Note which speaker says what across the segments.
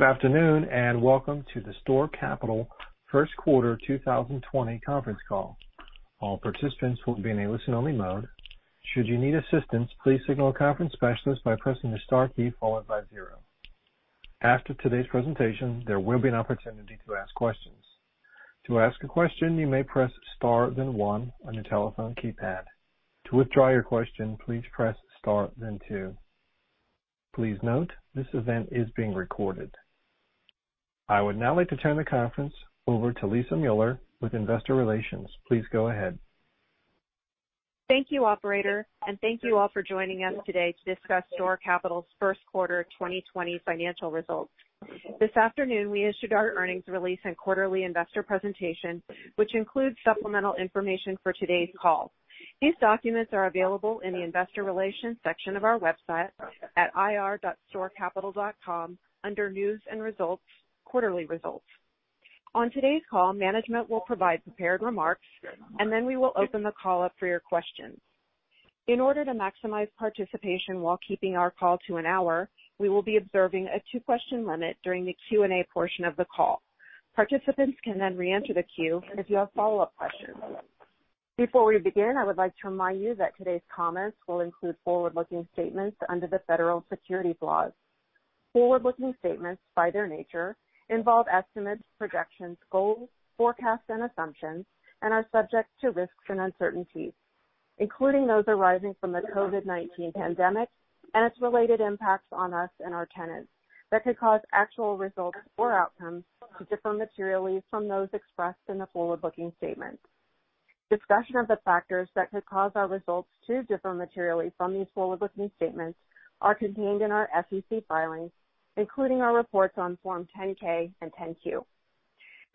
Speaker 1: Good afternoon, and welcome to the STORE Capital first quarter 2020 conference call. All participants will be in a listen-only mode. Should you need assistance, please signal a conference specialist by pressing the star key followed by zero. After today's presentation, there will be an opportunity to ask questions. To ask a question, you may press star then one on your telephone keypad. To withdraw your question, please press star then two. Please note, this event is being recorded. I would now like to turn the conference over to Lisa Mueller with Investor Relations. Please go ahead.
Speaker 2: Thank you, operator, thank you all for joining us today to discuss STORE Capital's first quarter 2020 financial results. This afternoon, we issued our earnings release and quarterly investor presentation, which includes supplemental information for today's call. These documents are available in the Investor Relations section of our website at ir.storecapital.com under News & Results, Quarterly Results. On today's call, management will provide prepared remarks, and then we will open the call up for your questions. In order to maximize participation while keeping our call to an hour, we will be observing a two-question limit during the Q&A portion of the call. Participants can then reenter the queue if you have follow-up questions. Before we begin, I would like to remind you that today's comments will include forward-looking statements under the federal securities laws. Forward-looking statements, by their nature, involve estimates, projections, goals, forecasts, and assumptions and are subject to risks and uncertainties, including those arising from the COVID-19 pandemic and its related impacts on us and our tenants that could cause actual results or outcomes to differ materially from those expressed in the forward-looking statements. Discussion of the factors that could cause our results to differ materially from these forward-looking statements are contained in our SEC filings, including our reports on Form 10-K and 10-Q.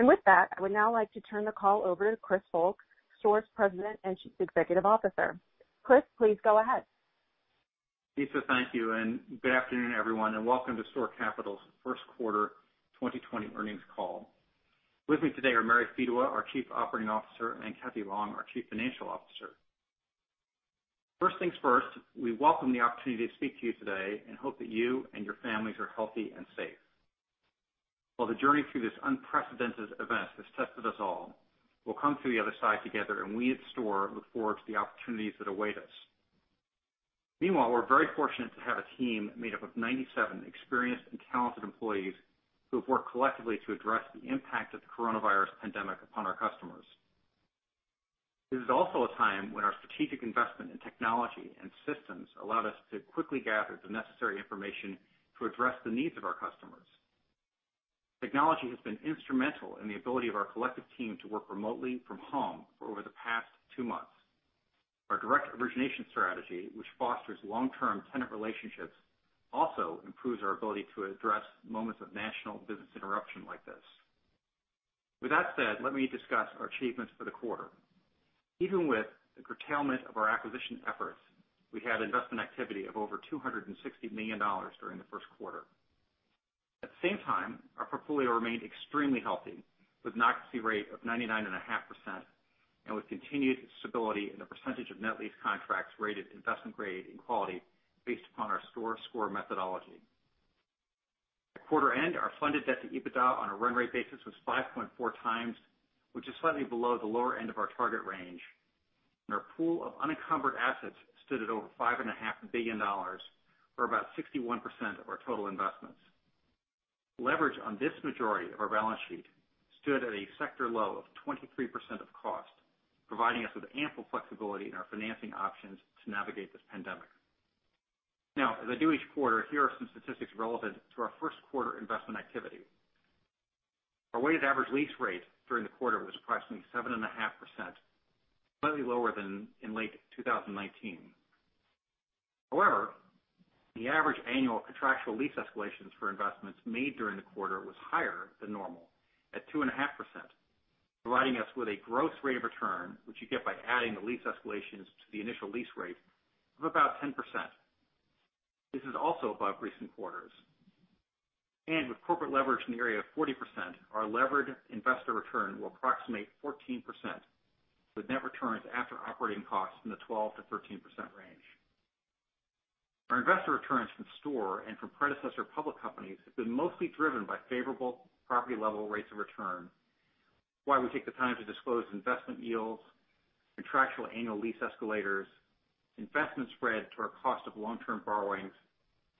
Speaker 2: With that, I would now like to turn the call over to Chris Volk, STORE's President and Chief Executive Officer. Chris, please go ahead.
Speaker 3: Lisa Mueller, thank you, good afternoon, everyone, and welcome to STORE Capital's first quarter 2020 earnings call. With me today are Mary Fedewa, our Chief Operating Officer and Cathy Long, our Chief Financial Officer. First things first, we welcome the opportunity to speak to you today and hope that you and your families are healthy and safe. While the journey through this unprecedented event has tested us all, we'll come through the other side together, we at STORE look forward to the opportunities that await us. Meanwhile, we're very fortunate to have a team made up of 97 experienced and talented employees who have worked collectively to address the impact of the coronavirus pandemic upon our customers. This is also a time when our strategic investment in technology and systems allowed us to quickly gather the necessary information to address the needs of our customers. Technology has been instrumental in the ability of our collective team to work remotely from home for over the past two months. Our direct origination strategy, which fosters long-term tenant relationships, also improves our ability to address moments of national business interruption like this. With that said, let me discuss our achievements for the quarter. Even with the curtailment of our acquisition efforts, we had investment activity of over $260 million during the first quarter. At the same time, our portfolio remained extremely healthy, with an occupancy rate of 99.5% and with continued stability in the percentage of net lease contracts rated investment-grade in quality based upon our STORE Score methodology. At quarter-end, our funded debt-to-EBITDA on a run-rate basis was 5.4x, which is slightly below the lower end of our target range, and our pool of unencumbered assets stood at over $5.5 billion, or about 61% of our total investments. Leverage on this majority of our balance sheet stood at a sector low of 23% of cost, providing us with ample flexibility in our financing options to navigate this pandemic. As I do each quarter, here are some statistics relevant to our first quarter investment activity. Our weighted average lease rate during the quarter was approximately 7.5%, slightly lower than in late 2019. The average annual contractual lease escalations for investments made during the quarter was higher than normal at 2.5%, providing us with a gross rate of return, which you get by adding the lease escalations to the initial lease rate, of about 10%. This is also above recent quarters. With corporate leverage in the area of 40%, our levered investor return will approximate 14%, with net returns after operating costs in the 12%-13% range. Our investor returns from STORE and from predecessor public companies have been mostly driven by favorable property-level rates of return. While we take the time to disclose investment yields, contractual annual lease escalators, investment spread to our cost of long-term borrowings,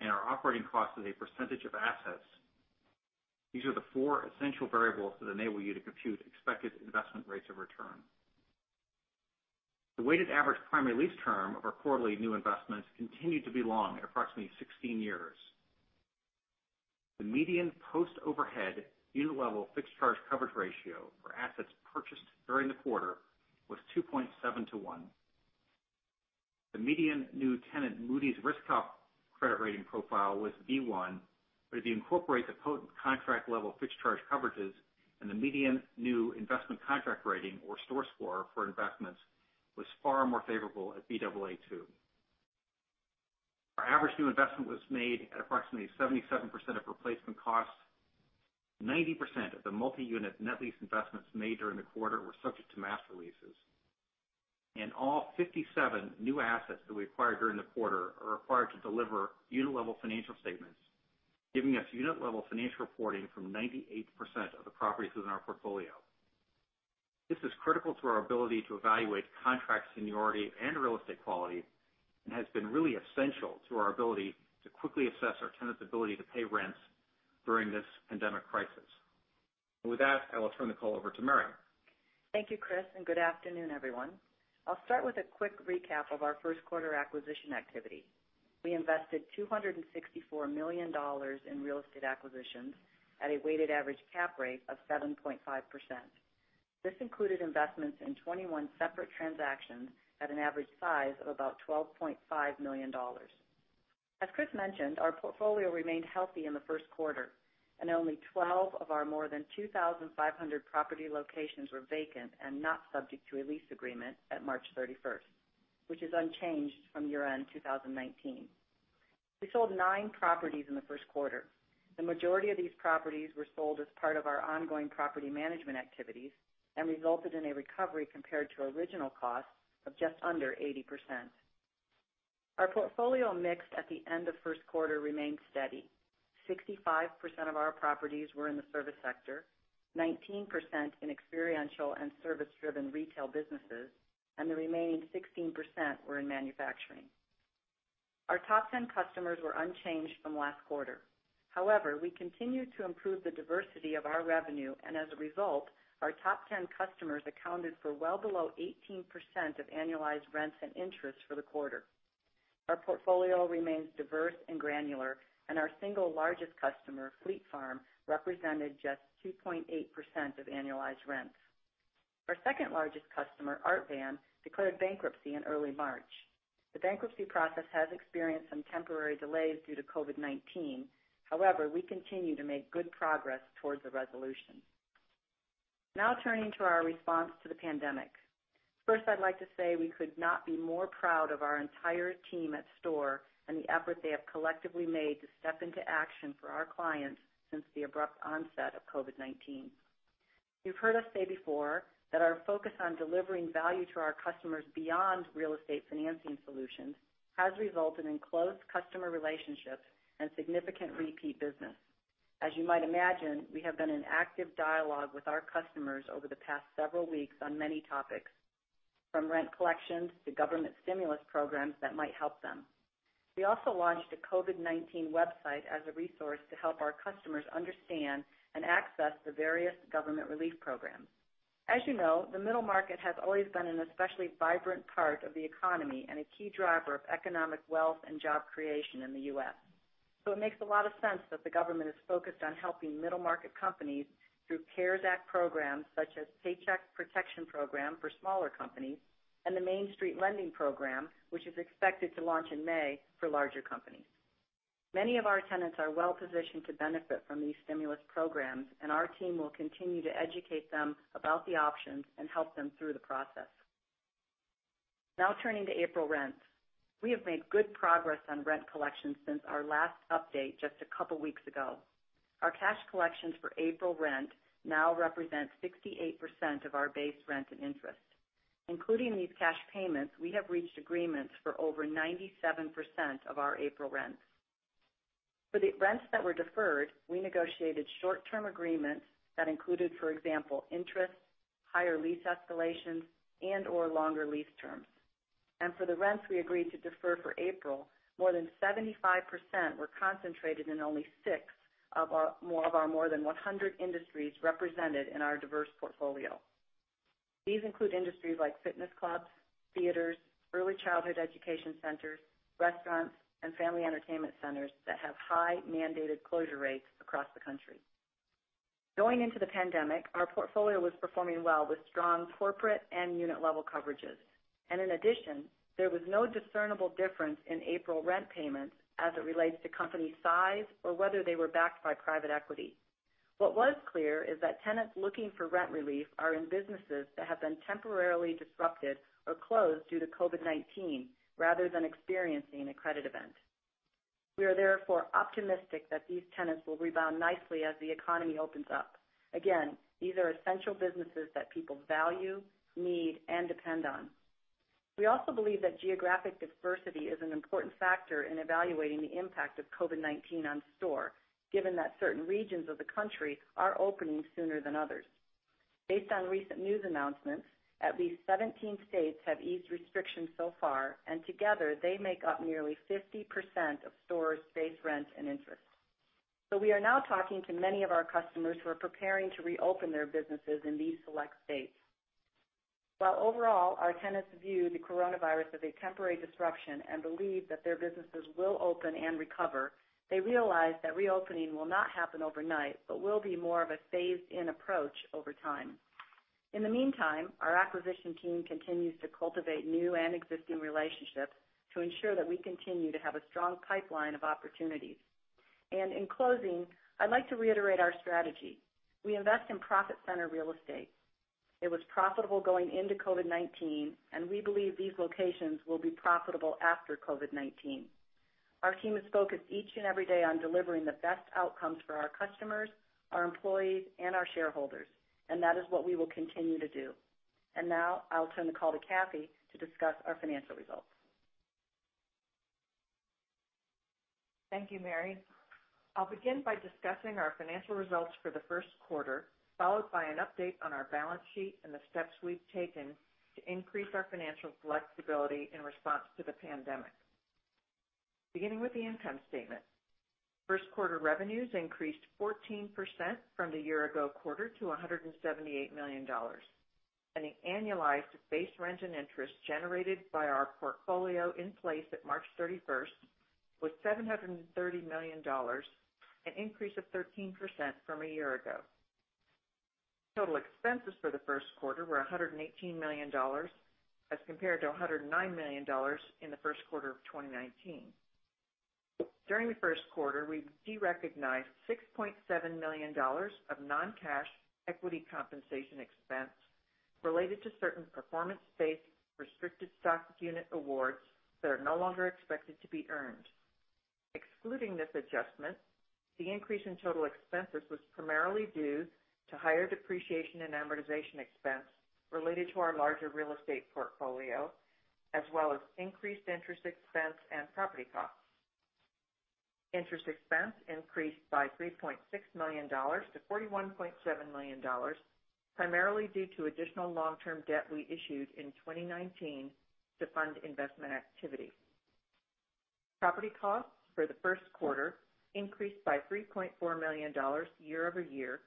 Speaker 3: and our operating costs as a percentage of assets, these are the four essential variables that enable you to compute expected investment rates of return. The weighted average primary lease term of our quarterly new investments continued to be long at approximately 16 years. The median post-overhead unit-level fixed charge coverage ratio for assets purchased during the quarter was 2.7:1. The median new tenant Moody's RiskCalc credit rating profile was B1, if you incorporate the contract-level fixed charge coverages and the median new investment contract rating or STORE Score for investments was far more favorable at Baa2. Our average new investment was made at approximately 77% of replacement costs. 90% of the multi-unit net lease investments made during the quarter were subject to master leases. All 57 new assets that we acquired during the quarter are required to deliver unit-level financial statements, giving us unit-level financial reporting from 98% of the properties within our portfolio. This is critical to our ability to evaluate contract seniority and real estate quality, has been really essential to our ability to quickly assess our tenants' ability to pay rents during this pandemic crisis. With that, I will turn the call over to Mary.
Speaker 4: Thank you, Chris. Good afternoon, everyone. I'll start with a quick recap of our first quarter acquisition activity. We invested $264 million in real estate acquisitions at a weighted average cap rate of 7.5%. This included investments in 21 separate transactions at an average size of about $12.5 million. As Chris mentioned, our portfolio remained healthy in the first quarter, and only 12 of our more than 2,500 property locations were vacant and not subject to a lease agreement at March 31st, which is unchanged from year-end 2019. We sold nine properties in the first quarter. The majority of these properties were sold as part of our ongoing property management activities and resulted in a recovery compared to original cost of just under 80%. Our portfolio mix at the end of first quarter remained steady. 65% of our properties were in the service sector, 19% in experiential and service-driven retail businesses, and the remaining 16% were in manufacturing. Our top 10 customers were unchanged from last quarter. However, we continue to improve the diversity of our revenue, and as a result, our top 10 customers accounted for well below 18% of annualized rents and interests for the quarter. Our portfolio remains diverse and granular, and our single largest customer, Fleet Farm, represented just 2.8% of annualized rents. Our second-largest customer, Art Van, declared bankruptcy in early March. The bankruptcy process has experienced some temporary delays due to COVID-19. However, we continue to make good progress towards a resolution. Now turning to our response to the pandemic. First, I'd like to say we could not be more proud of our entire team at STORE and the effort they have collectively made to step into action for our clients since the abrupt onset of COVID-19. You've heard us say before that our focus on delivering value to our customers beyond real estate financing solutions has resulted in close customer relationships and significant repeat business. As you might imagine, we have been in active dialogue with our customers over the past several weeks on many topics, from rent collections to government stimulus programs that might help them. We also launched a COVID-19 website as a resource to help our customers understand and access the various government relief programs. As you know, the middle market has always been an especially vibrant part of the economy and a key driver of economic wealth and job creation in the U.S.. It makes a lot of sense that the government is focused on helping middle market companies through CARES Act programs such as Paycheck Protection Program for smaller companies and the Main Street Lending Program, which is expected to launch in May for larger companies. Many of our tenants are well-positioned to benefit from these stimulus programs, and our team will continue to educate them about the options and help them through the process. Turning to April rents. We have made good progress on rent collections since our last update just a couple weeks ago. Our cash collections for April rent now represent 68% of our base rent and interest. Including these cash payments, we have reached agreements for over 97% of our April rents. For the rents that were deferred, we negotiated short-term agreements that included, for example, interest, higher lease escalations, and/or longer lease terms. For the rents we agreed to defer for April, more than 75% were concentrated in only six of our more than 100 industries represented in our diverse portfolio. These include industries like fitness clubs, theaters, early childhood education centers, restaurants, and family entertainment centers that have high mandated closure rates across the country. Going into the pandemic, our portfolio was performing well with strong corporate and unit-level coverages. In addition, there was no discernible difference in April rent payments as it relates to company size or whether they were backed by private equity. What was clear is that tenants looking for rent relief are in businesses that have been temporarily disrupted or closed due to COVID-19 rather than experiencing a credit event. We are therefore optimistic that these tenants will rebound nicely as the economy opens up. Again, these are essential businesses that people value, need, and depend on. We also believe that geographic diversity is an important factor in evaluating the impact of COVID-19 on STORE, given that certain regions of the country are opening sooner than others. Based on recent news announcements, at least 17 states have eased restrictions so far, and together they make up nearly 50% of STORE's base rent and interest. We are now talking to many of our customers who are preparing to reopen their businesses in these select states. While overall, our tenants view the coronavirus as a temporary disruption and believe that their businesses will open and recover, they realize that reopening will not happen overnight but will be more of a phased-in approach over time. In the meantime, our acquisition team continues to cultivate new and existing relationships to ensure that we continue to have a strong pipeline of opportunities. In closing, I'd like to reiterate our strategy. We invest in profit center real estate. It was profitable going into COVID-19. We believe these locations will be profitable after COVID-19. Our team is focused each and every day on delivering the best outcomes for our customers, our employees, and our shareholders. That is what we will continue to do. Now I'll turn the call to Cathy to discuss our financial results.
Speaker 5: Thank you, Mary. I'll begin by discussing our financial results for the first quarter, followed by an update on our balance sheet and the steps we've taken to increase our financial flexibility in response to the pandemic. Beginning with the income statement. First quarter revenues increased 14% from the year ago quarter to $178 million. The annualized base rent and interest generated by our portfolio in place at March 31st was $730 million, an increase of 13% from a year ago. Total expenses for the first quarter were $118 million as compared to $109 million in the first quarter of 2019. During the first quarter, we derecognized $6.7 million of non-cash equity compensation expense related to certain performance-based restricted stock unit awards that are no longer expected to be earned. Excluding this adjustment, the increase in total expenses was primarily due to higher depreciation and amortization expense related to our larger real estate portfolio, as well as increased interest expense and property costs. Interest expense increased by $3.6 million to $41.7 million, primarily due to additional long-term debt we issued in 2019 to fund investment activity. Property costs for the first quarter increased by $3.4 million year-over-year,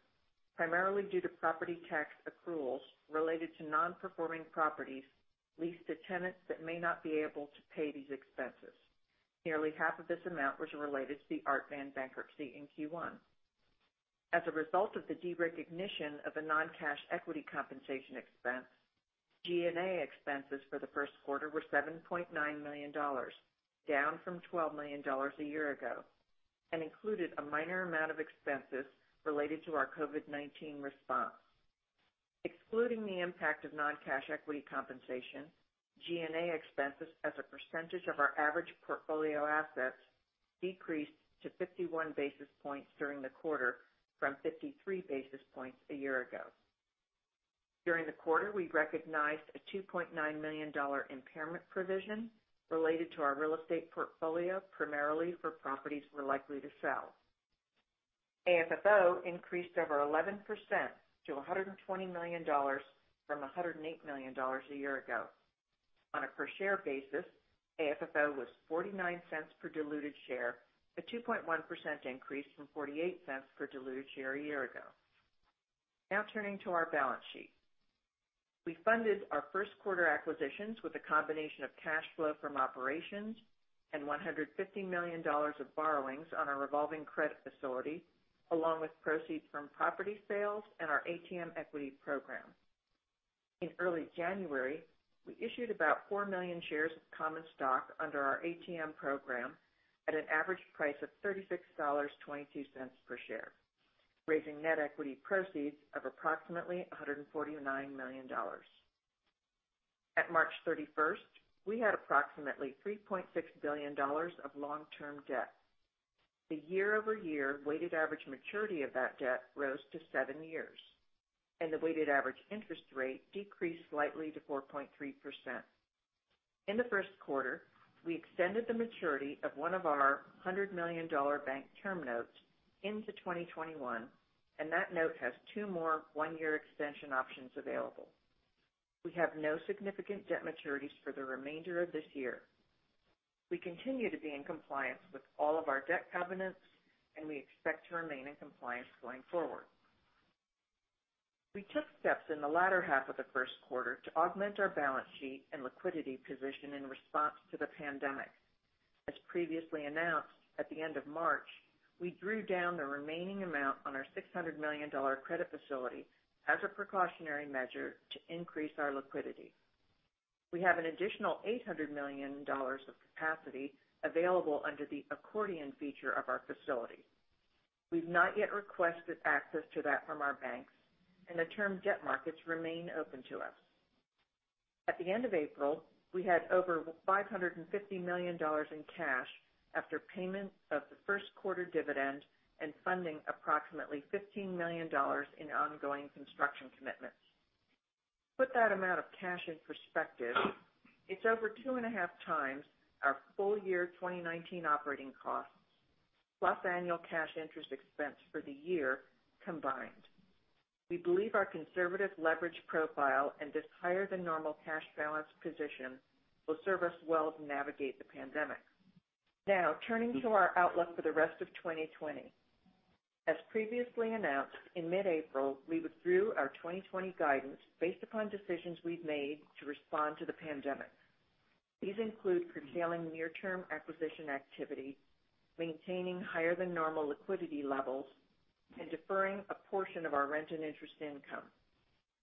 Speaker 5: primarily due to property tax accruals related to non-performing properties leased to tenants that may not be able to pay these expenses. Nearly half of this amount was related to the Art Van bankruptcy in Q1. As a result of the derecognition of a non-cash equity compensation expense, G&A expenses for the first quarter were $7.9 million, down from $12 million a year ago, and included a minor amount of expenses related to our COVID-19 response. Excluding the impact of non-cash equity compensation, G&A expenses as a percentage of our average portfolio assets decreased to 51 basis points during the quarter from 53 basis points a year ago. During the quarter, we recognized a $2.9 million impairment provision related to our real estate portfolio, primarily for properties we're likely to sell. AFFO increased over 11% to $120 million from $108 million a year ago. On a per share basis, AFFO was $0.49 per diluted share, a 2.1% increase from $0.48 per diluted share a year ago. Now turning to our balance sheet. We funded our first quarter acquisitions with a combination of cash flow from operations and $150 million of borrowings on our revolving credit facility, along with proceeds from property sales and our ATM equity program. In early January, we issued about 4 million shares of common stock under our ATM program at an average price of $36.22 per share, raising net equity proceeds of approximately $149 million. At March 31st, we had approximately $3.6 billion of long-term debt. The year-over-year weighted average maturity of that debt rose to seven years, and the weighted average interest rate decreased slightly to 4.3%. In the first quarter, we extended the maturity of one of our $100 million bank term notes into 2021, and that note has two more one-year extension options available. We have no significant debt maturities for the remainder of this year. We continue to be in compliance with all of our debt covenants, and we expect to remain in compliance going forward. We took steps in the latter half of the first quarter to augment our balance sheet and liquidity position in response to the pandemic. As previously announced, at the end of March, we drew down the remaining amount on our $600 million credit facility as a precautionary measure to increase our liquidity. We have an additional $800 million of capacity available under the accordion feature of our facility. We've not yet requested access to that from our banks, and the term debt markets remain open to us. At the end of April, we had over $550 million in cash after payment of the first quarter dividend and funding approximately $15 million in ongoing construction commitments. To put that amount of cash in perspective, it's over 2.5x our full-year 2019 operating costs plus annual cash interest expense for the year combined. We believe our conservative leverage profile and this higher than normal cash balance position will serve us well to navigate the pandemic. Turning to our outlook for the rest of 2020. As previously announced, in mid-April, we withdrew our 2020 guidance based upon decisions we've made to respond to the pandemic. These include curtailing near-term acquisition activity, maintaining higher than normal liquidity levels, and deferring a portion of our rent and interest income.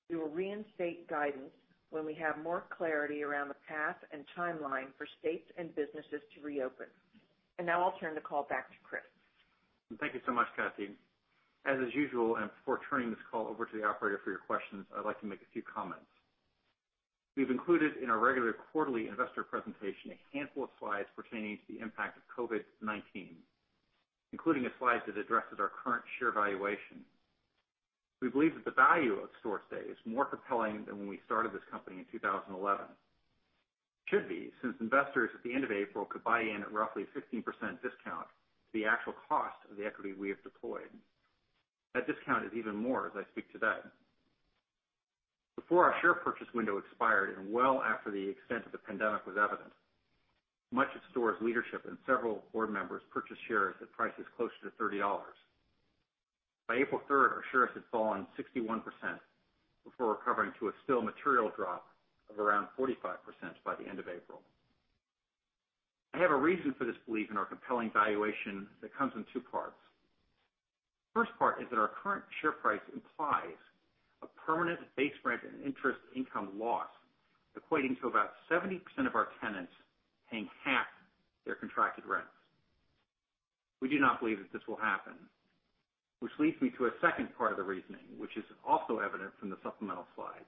Speaker 5: We will reinstate guidance when we have more clarity around the path and timeline for states and businesses to reopen. Now I'll turn the call back to Chris.
Speaker 3: Thank you so much, Cathy. As is usual, before turning this call over to the operator for your questions, I'd like to make a few comments. We've included in our regular quarterly investor presentation a handful of slides pertaining to the impact of COVID-19, including a slide that addresses our current share valuation. We believe that the value of STORE today is more compelling than when we started this company in 2011. It should be, since investors at the end of April could buy in at roughly a 15% discount to the actual cost of the equity we have deployed. That discount is even more as I speak today. Before our share purchase window expired and well after the extent of the pandemic was evident, much of STORE's leadership and several board members purchased shares at prices closer to $30. By April 3rd, our shares had fallen 61% before recovering to a still material drop of around 45% by the end of April. I have a reason for this belief in our compelling valuation that comes in two parts. First part is that our current share price implies a permanent base rent and interest income loss equating to about 70% of our tenants paying half their contracted rents. We do not believe that this will happen. Which leads me to a second part of the reasoning, which is also evident from the supplemental slides.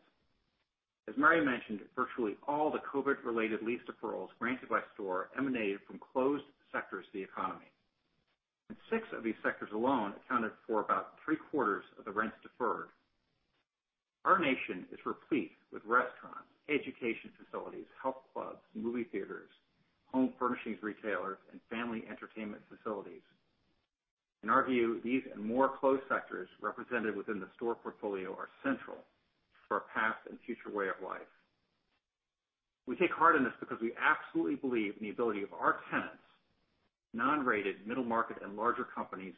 Speaker 3: As Mary mentioned, virtually all the COVID-related lease deferrals granted by STORE emanated from closed sectors of the economy, and six of these sectors alone accounted for about three-quarters of the rents deferred. Our nation is replete with restaurants, education facilities, health clubs, movie theaters, home furnishings retailers, and family entertainment facilities. In our view, these and more closed sectors represented within the STORE portfolio are central to our past and future way of life. We take heart in this because we absolutely believe in the ability of our tenants, non-rated middle market and larger companies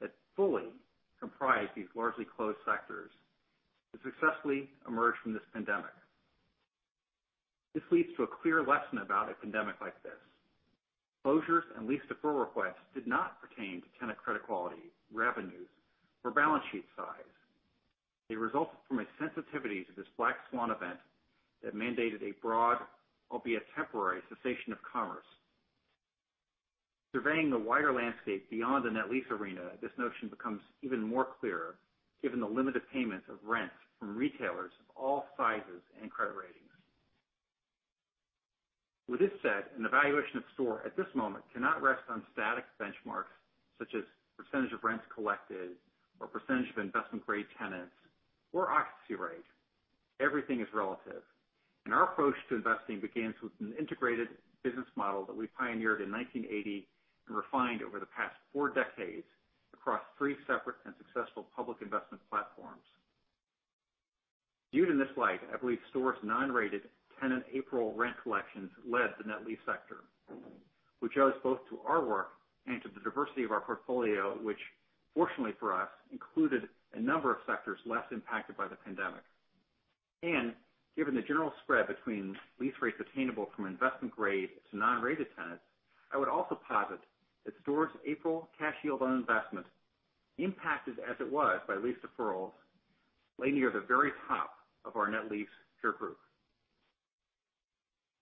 Speaker 3: that fully comprise these largely closed sectors, to successfully emerge from this pandemic. This leads to a clear lesson about a pandemic like this. Closures and lease deferral requests did not pertain to tenant credit quality, revenues, or balance sheet size. They resulted from a sensitivity to this black swan event that mandated a broad, albeit temporary, cessation of commerce. Surveying the wider landscape beyond the net lease arena, this notion becomes even more clear given the limited payments of rent from retailers of all sizes and credit ratings. With this said, an evaluation of STORE at this moment cannot rest on static benchmarks such as percentage of rents collected or percentage of investment-grade tenants or occupancy rate. Everything is relative. Our approach to investing begins with an integrated business model that we pioneered in 1980 and refined over the past four decades across three separate and successful public investment platforms. Due to this slide, I believe STORE's non-rated tenant April rent collections led the net lease sector, which owes both to our work and to the diversity of our portfolio, which fortunately for us, included a number of sectors less impacted by the pandemic. Given the general spread between lease rates attainable from investment-grade to non-rated tenants, I would also posit that STORE's April cash yield on investments, impacted as it was by lease deferrals, lay near the very top of our net lease peer group.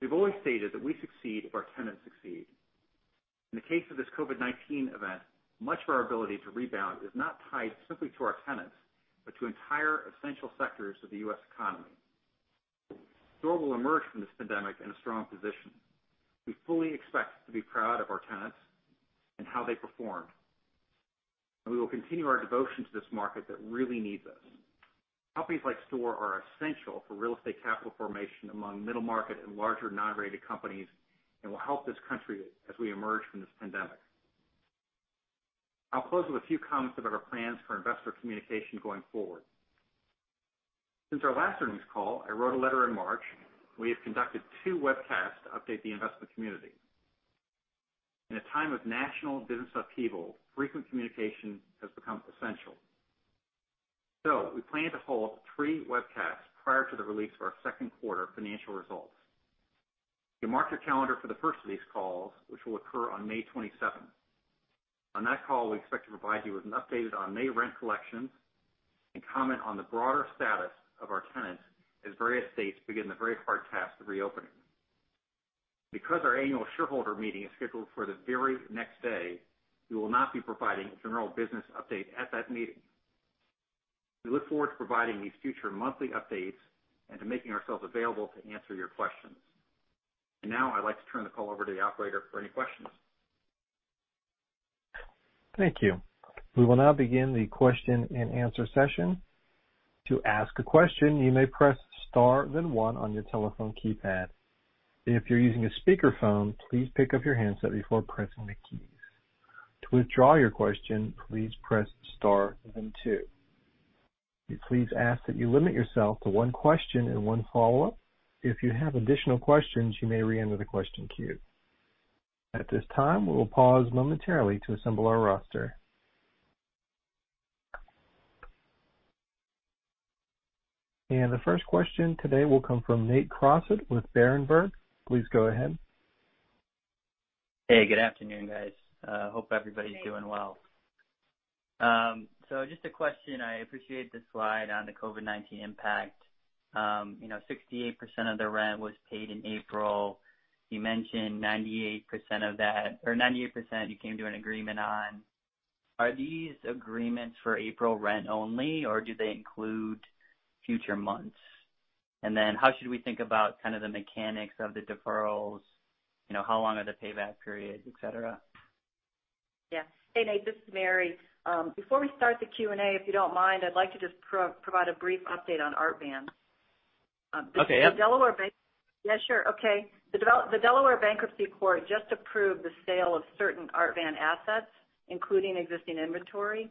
Speaker 3: We've always stated that we succeed if our tenants succeed. In the case of this COVID-19 event, much of our ability to rebound is not tied simply to our tenants, but to entire essential sectors of the U.S. economy. STORE will emerge from this pandemic in a strong position. We fully expect to be proud of our tenants and how they performed, and we will continue our devotion to this market that really needs us. Companies like STORE are essential for real estate capital formation among middle market and larger non-rated companies and will help this country as we emerge from this pandemic. I'll close with a few comments about our plans for investor communication going forward. Since our last earnings call, I wrote a letter in March. We have conducted two webcasts to update the investment community. In a time of national business upheaval, frequent communication has become essential. We plan to hold three webcasts prior to the release of our second quarter financial results. You can mark your calendar for the first of these calls, which will occur on May 27th. On that call, we expect to provide you with an update on May rent collections and comment on the broader status of our tenants as various states begin the very hard task of reopening. Because our annual shareholder meeting is scheduled for the very next day, we will not be providing a general business update at that meeting. We look forward to providing these future monthly updates and to making ourselves available to answer your questions. Now I'd like to turn the call over to the operator for any questions.
Speaker 1: Thank you. We will now begin the question and answer session. To ask a question, you may press star then one on your telephone keypad. If you're using a speakerphone, please pick up your handset before pressing the keys. To withdraw your question, please press star then two. We please ask that you limit yourself to one question and one follow-up. If you have additional questions, you may reenter the question queue. At this time, we will pause momentarily to assemble our roster. The first question today will come from Nate Crossett with Berenberg. Please go ahead.
Speaker 6: Hey, good afternoon, guys. Hope everybody's doing well. Just a question. I appreciate the slide on the COVID-19 impact. 68% of the rent was paid in April. You mentioned 98% of that, or 98% you came to an agreement on. Are these agreements for April rent only, or do they include future months? How should we think about the mechanics of the deferrals? How long are the payback periods, et cetera?
Speaker 4: Yes. Hey, Nate, this is Mary. Before we start the Q&A, if you don't mind, I'd like to just provide a brief update on Art Van.
Speaker 6: Okay. Yep.
Speaker 4: Yeah, sure. Okay. The Delaware bankruptcy court just approved the sale of certain Art Van assets, including existing inventory.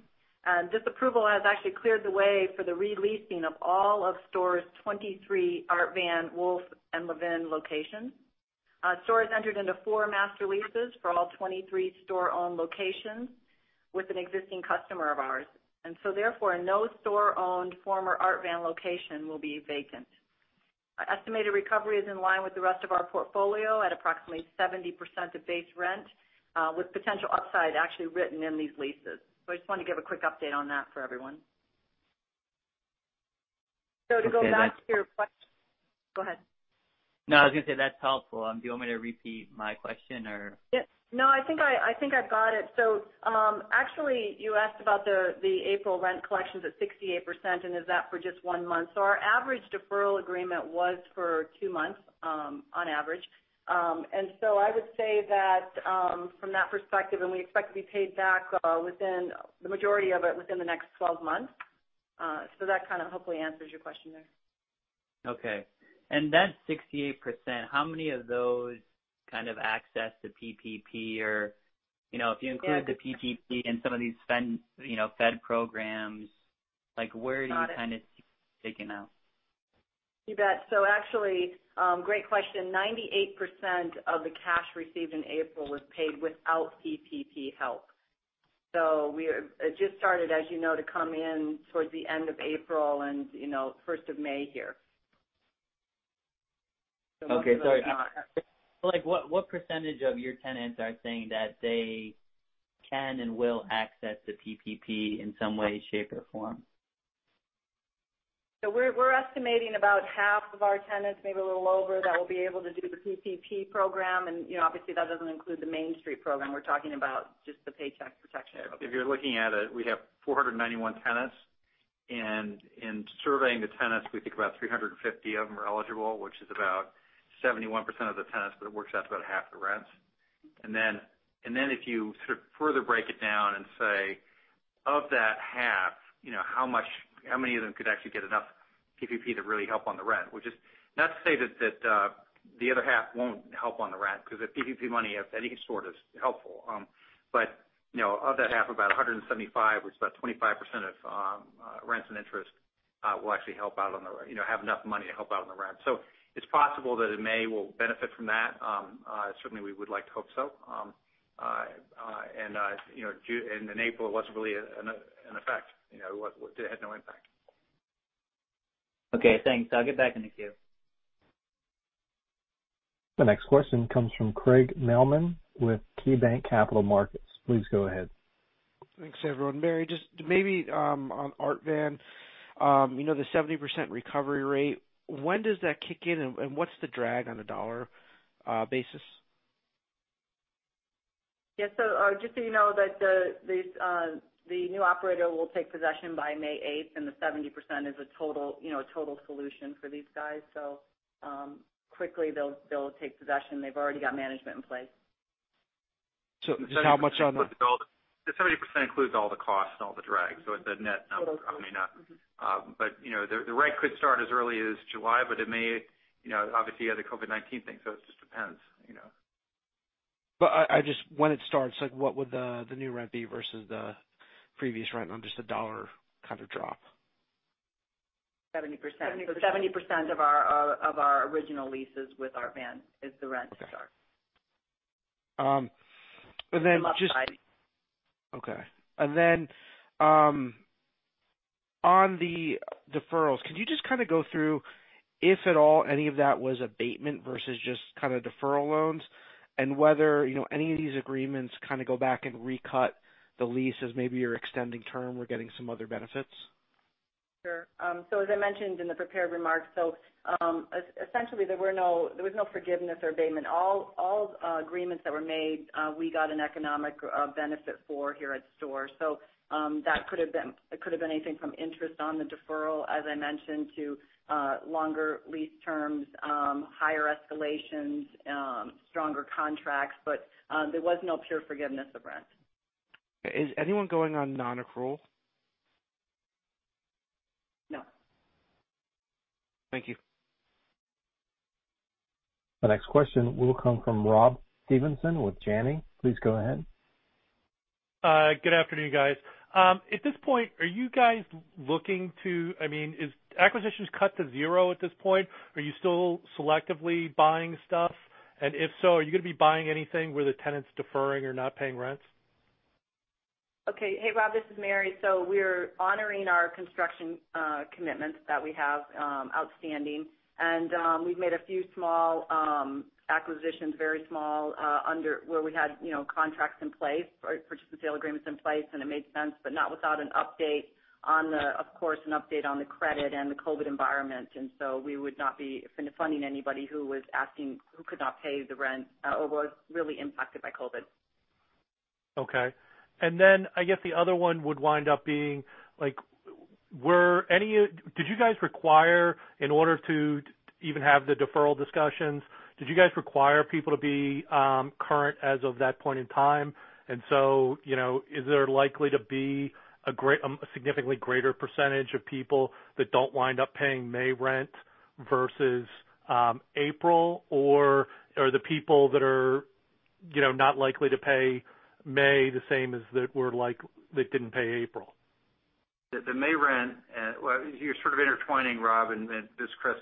Speaker 4: This approval has actually cleared the way for the re-leasing of all of STORE's 23 Art Van, Wolf and Levin locations. STORE has entered into four master leases for all 23 STORE-owned locations with an existing customer of ours. Therefore, no STORE-owned former Art Van location will be vacant. Our estimated recovery is in line with the rest of our portfolio at approximately 70% of base rent, with potential upside actually written in these leases. I just wanted to give a quick update on that for everyone. To go back to your question. Go ahead.
Speaker 6: No, I was going to say that's helpful. Do you want me to repeat my question, or?
Speaker 4: No, I think I've got it. Actually, you asked about the April rent collections at 68%, and is that for just one month? Our average deferral agreement was for two months, on average. I would say that from that perspective, we expect to be paid back the majority of it within the next 12 months. That kind of hopefully answers your question there.
Speaker 6: Okay. That 68%, how many of those kind of access the PPP or, if you include the PPP and some of these fed programs, like where do you kind of see it shaking out?
Speaker 4: You bet. Actually, great question. 98% of the cash received in April was paid without PPP help. It just started, as you know, to come in towards the end of April and, first of May here.
Speaker 6: Okay. Sorry. What percentage of your tenants are saying that they can and will access the PPP in some way, shape, or form?
Speaker 4: We're estimating about half of our tenants, maybe a little lower, that will be able to do the PPP program. Obviously that doesn't include the Main Street program. We're talking about just the Paycheck Protection Program.
Speaker 3: If you're looking at it, we have 491 tenants. In surveying the tenants, we think about 350 of them are eligible, which is about 71% of the tenants. It works out to about half the rents. If you sort of further break it down and say, of that half, how many of them could actually get enough PPP to really help on the rent, which is not to say that the other half won't help on the rent, because the PPP money of any sort is helpful. Of that half, about 175, which is about 25% of rents and interest, will actually have enough money to help out on the rent. It's possible that in May we'll benefit from that. Certainly, we would like to hope so. In April, it wasn't really in effect. It had no impact.
Speaker 6: Okay, thanks. I'll get back in the queue.
Speaker 1: The next question comes from Craig Mailman with KeyBanc Capital Markets. Please go ahead.
Speaker 7: Thanks, everyone. Mary, just maybe on Art Van, the 70% recovery rate, when does that kick in and what's the drag on a dollar basis?
Speaker 4: Just so you know that the new operator will take possession by May 8th, and the 70% is a total solution for these guys. Quickly they'll take possession. They've already got management in place.
Speaker 7: Just how much?
Speaker 3: The 70% includes all the costs and all the drag, so it's a net number coming up. The rent could start as early as July, but it may, obviously you have the COVID-19 thing, so it just depends.
Speaker 7: When it starts, what would the new rent be versus the previous rent on just a dollar kind of drop?
Speaker 4: 70% of our original leases with Art Van is the rent to start.
Speaker 7: Okay.
Speaker 4: From upside.
Speaker 7: Okay. On the deferrals, could you just kind of go through, if at all, any of that was abatement versus just kind of deferral loans and whether any of these agreements kind of go back and recut the leases, maybe you're extending term or getting some other benefits?
Speaker 4: Sure. As I mentioned in the prepared remarks, so essentially there was no forgiveness or abatement. All agreements that were made, we got an economic benefit for here at STORE. That could have been anything from interest on the deferral, as I mentioned, to longer lease terms, higher escalations, stronger contracts. There was no pure forgiveness of rent.
Speaker 7: Is anyone going on non-accrual?
Speaker 4: No.
Speaker 7: Thank you.
Speaker 1: The next question will come from Rob Stevenson with Janney. Please go ahead.
Speaker 8: Good afternoon, guys. At this point, is acquisitions cut to zero at this point? Are you still selectively buying stuff? If so, are you going to be buying anything where the tenant's deferring or not paying rents?
Speaker 4: Okay. Hey, Rob. This is Mary. We're honoring our construction commitments that we have outstanding. We've made a few small acquisitions, very small, where we had contracts in place or purchase and sale agreements in place, and it made sense, but not without an update on the credit and the COVID environment. We would not be funding anybody who could not pay the rent or was really impacted by COVID.
Speaker 8: Okay. I guess the other one would wind up being, did you guys require in order to even have the deferral discussions, did you guys require people to be current as of that point in time? Is there likely to be a significantly greater percentage of people that don't wind up paying May rent versus April? Are the people that are not likely to pay May the same as that didn't pay April?
Speaker 3: The May rent, well, you're sort of intertwining, Rob, and this is Chris.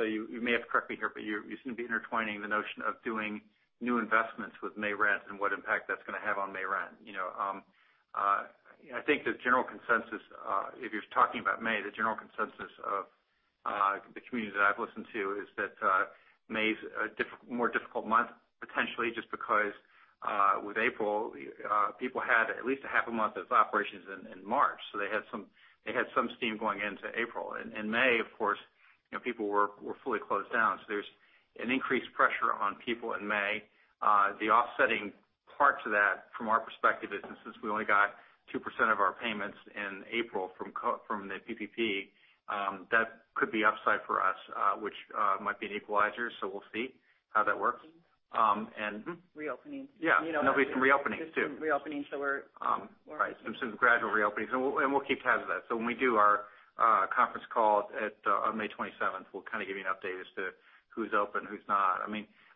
Speaker 3: You may have to correct me here, but you seem to be intertwining the notion of doing new investments with May rent and what impact that's going to have on May rent. I think the general consensus, if you're talking about May, the general consensus of the communities that I've listened to is that May's a more difficult month, potentially just because, with April, people had at least a half a month of operations in March, so they had some steam going into April. In May, of course, people were fully closed down, so there's an increased pressure on people in May. The offsetting part to that, from our perspective, is since we only got 2% of our payments in April from the PPP, that could be upside for us, which might be an equalizer. We'll see how that works.
Speaker 5: Reopening.
Speaker 3: Yeah. There'll be some reopenings too.
Speaker 5: Some reopenings that we're-
Speaker 3: Right. Some gradual reopenings. We'll keep tabs of that. When we do our conference call on May 27th, we'll kind of give you an update as to who's open, who's not.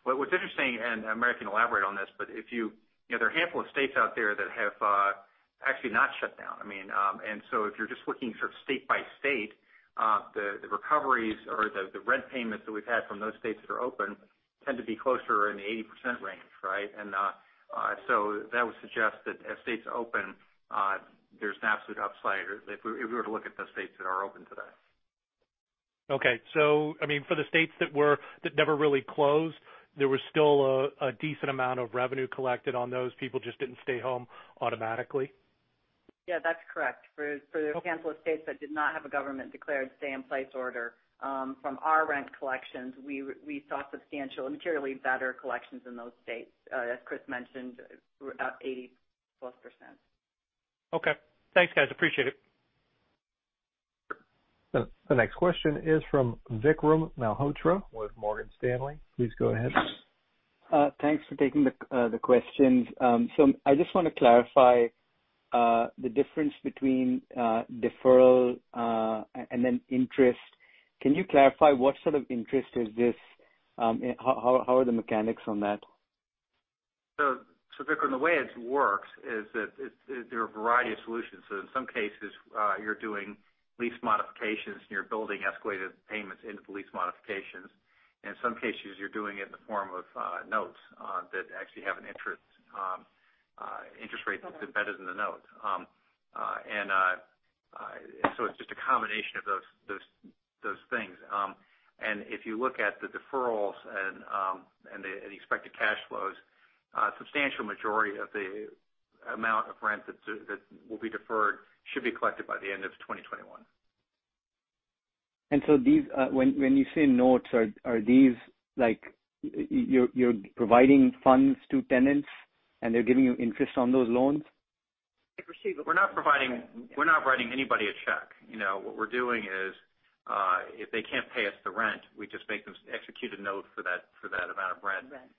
Speaker 3: What's interesting, and Mary can elaborate on this, but there are a handful of states out there that have actually not shut down. If you're just looking sort of state by state, the recoveries or the rent payments that we've had from those states that are open tend to be closer in the 80% range, right? That would suggest that as states open, there's an absolute upside if we were to look at the states that are open today.
Speaker 8: Okay. For the states that never really closed, there was still a decent amount of revenue collected on those. People just didn't stay home automatically.
Speaker 5: Yeah, that's correct. For the handful of states that did not have a government-declared stay in place order, from our rent collections, we saw substantial and materially better collections in those states, as Chris mentioned, up 80%+.
Speaker 8: Okay. Thanks, guys. Appreciate it.
Speaker 1: The next question is from Vikram Malhotra with Morgan Stanley. Please go ahead.
Speaker 9: Thanks for taking the questions. I just want to clarify the difference between deferral and then interest. Can you clarify what sort of interest is this? How are the mechanics on that?
Speaker 3: Vikram, the way it works is that there are a variety of solutions. In some cases, you're doing lease modifications and you're building escalated payments into the lease modifications. In some cases, you're doing it in the form of notes that actually have an interest rate that's embedded in the note. It's just a combination of those things. If you look at the deferrals and the expected cash flows, a substantial majority of the amount of rent that will be deferred should be collected by the end of 2021.
Speaker 9: When you say notes, are these like you're providing funds to tenants, and they're giving you interest on those loans?
Speaker 5: A receivable.
Speaker 3: We're not writing anybody a check. What we're doing is, if they can't pay us the rent, we just make them execute a note for that amount of rent.
Speaker 5: Rent.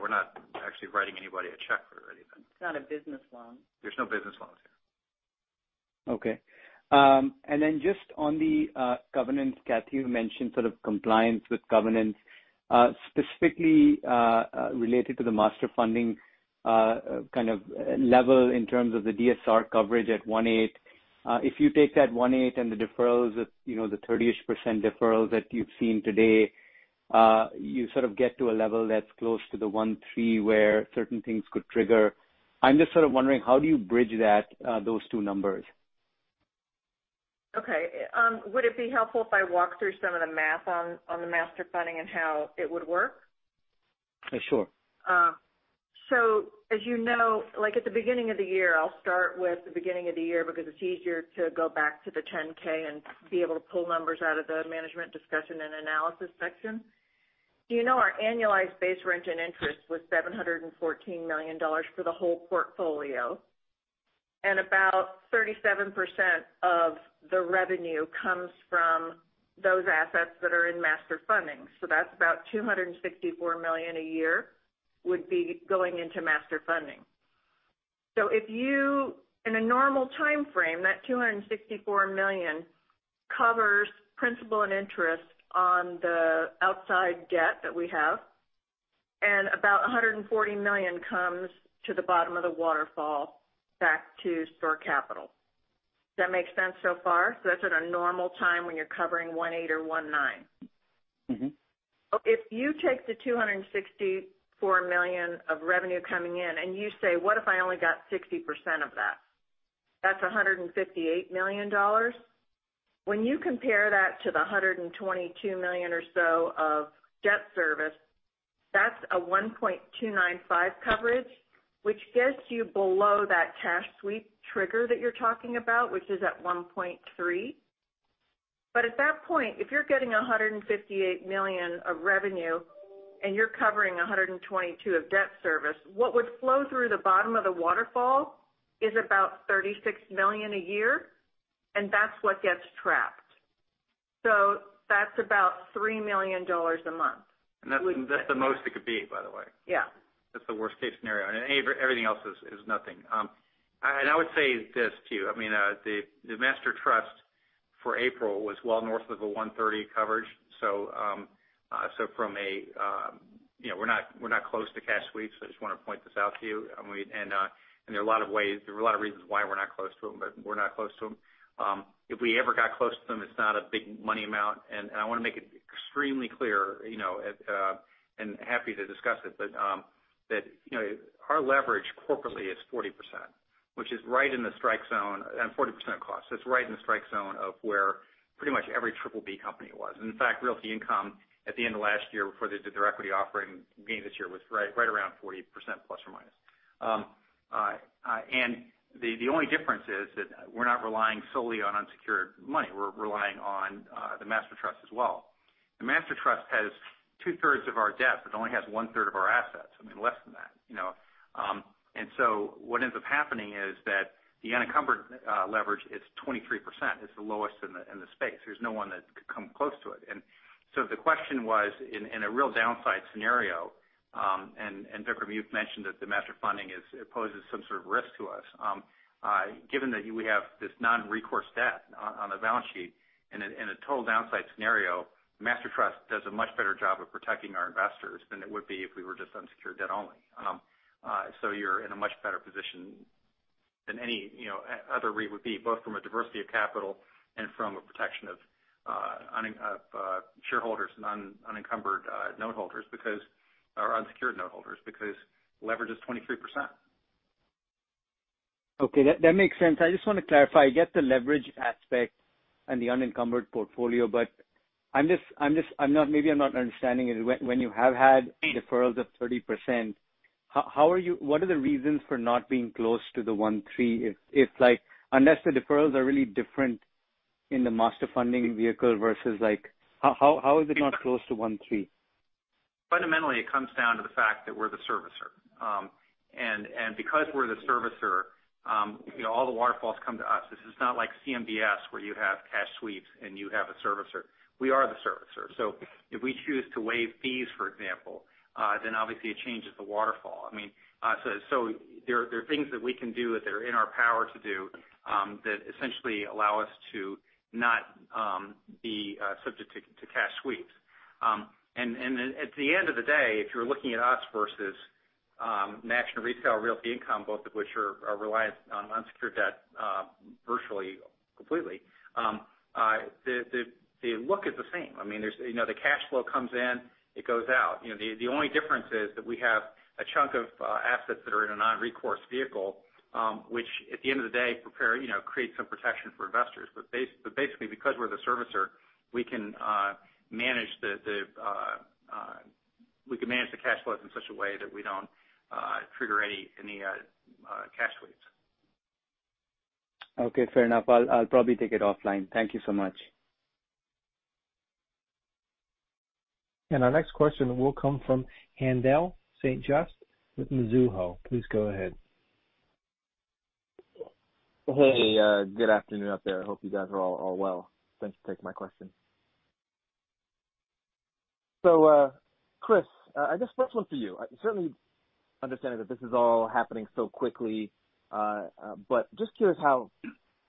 Speaker 3: We're not actually writing anybody a check for anything.
Speaker 5: It's not a business loan.
Speaker 3: There's no business loans here.
Speaker 9: Okay. Just on the covenants, Cathy, you mentioned sort of compliance with covenants, specifically related to the master funding kind of level in terms of the DSCR coverage at 1.8. If you take that 1.8 and the deferrals, the 30%-ish deferrals that you've seen today, you sort of get to a level that's close to the 1.3 where certain things could trigger. I'm just sort of wondering how do you bridge those two numbers?
Speaker 5: Okay. Would it be helpful if I walk through some of the math on the master funding and how it would work?
Speaker 9: Yeah, sure.
Speaker 5: As you know, at the beginning of the year, I'll start with the beginning of the year because it's easier to go back to the Form 10-K and be able to pull numbers out of the management discussion and analysis section. You know our annualized base rent and interest was $714 million for the whole portfolio. About 37% of the revenue comes from those assets that are in master funding. That's about $264 million a year would be going into master funding. In a normal timeframe, that $264 million covers principal and interest on the outside debt that we have, and about $140 million comes to the bottom of the waterfall back to STORE Capital. Does that make sense so far? That's at a normal time when you're covering 1.8 or 1.9. If you take the $264 million of revenue coming in and you say, "What if I only got 60% of that?" That's $158 million. When you compare that to the $122 million or so of debt service, that's a 1.295 coverage, which gets you below that cash sweep trigger that you're talking about, which is at 1.3. At that point, if you're getting $158 million of revenue and you're covering $122 of debt service, what would flow through the bottom of the waterfall is about $36 million a year, and that's what gets trapped. That's about $3 million a month.
Speaker 3: That's the most it could be, by the way.
Speaker 5: Yeah.
Speaker 3: That's the worst-case scenario. Everything else is nothing. I would say this, too. The master trust for April was well north of a 130 coverage, so we're not close to cash sweeps. I just want to point this out to you. There are a lot of reasons why we're not close to them, but we're not close to them. If we ever got close to them, it's not a big money amount, and I want to make it extremely clear, and happy to discuss it, but our leverage corporately is 40%, which is right in the strike zone, and 40% cost. It's right in the strike zone of where pretty much every BBB company was. In fact, Realty Income, at the end of last year, before they did their equity offering again this year, was right around 40%±. The only difference is that we're not relying solely on unsecured money. We're relying on the master trust as well. The master trust has two-thirds of our debt, but only has 1/3 of our assets, less than that. What ends up happening is that the unencumbered leverage is 23%. It's the lowest in the space. There's no one that could come close to it. The question was, in a real downside scenario, Vikram, you've mentioned that the master funding poses some sort of risk to us. Given that we have this non-recourse debt on the balance sheet in a total downside scenario, master trust does a much better job of protecting our investors than it would be if we were just unsecured debt only. You're in a much better position than any other REIT would be, both from a diversity of capital and from a protection of shareholders and unencumbered note holders, or unsecured note holders, because leverage is 23%.
Speaker 9: Okay, that makes sense. I just want to clarify. I get the leverage aspect and the unencumbered portfolio, but maybe I'm not understanding it. When you have had deferrals of 30%, what are the reasons for not being close to the 1.3? Unless the deferrals are really different in the master funding vehicle versus-- How is it not close to 1.3?
Speaker 3: Fundamentally, it comes down to the fact that we're the servicer. Because we're the servicer, all the waterfalls come to us. This is not like CMBS where you have cash sweeps and you have a servicer. We are the servicer. If we choose to waive fees, for example, then obviously it changes the waterfall. There are things that we can do that are in our power to do that essentially allow us to not be subject to cash sweeps. At the end of the day, if you're looking at us versus National Retail, Realty Income, both of which are reliant on unsecured debt virtually completely, the look is the same. The cash flow comes in, it goes out. The only difference is that we have a chunk of assets that are in a non-recourse vehicle, which at the end of the day creates some protection for investors. Basically, because we're the servicer, we can manage the cash flows in such a way that we don't trigger any cash sweeps.
Speaker 9: Okay, fair enough. I'll probably take it offline. Thank you so much.
Speaker 1: Our next question will come from Haendel St. Juste with Mizuho. Please go ahead.
Speaker 10: Hey, good afternoon out there. I hope you guys are all well. Thanks for taking my question. Chris, I guess first one for you. I certainly understand that this is all happening so quickly, but just curious how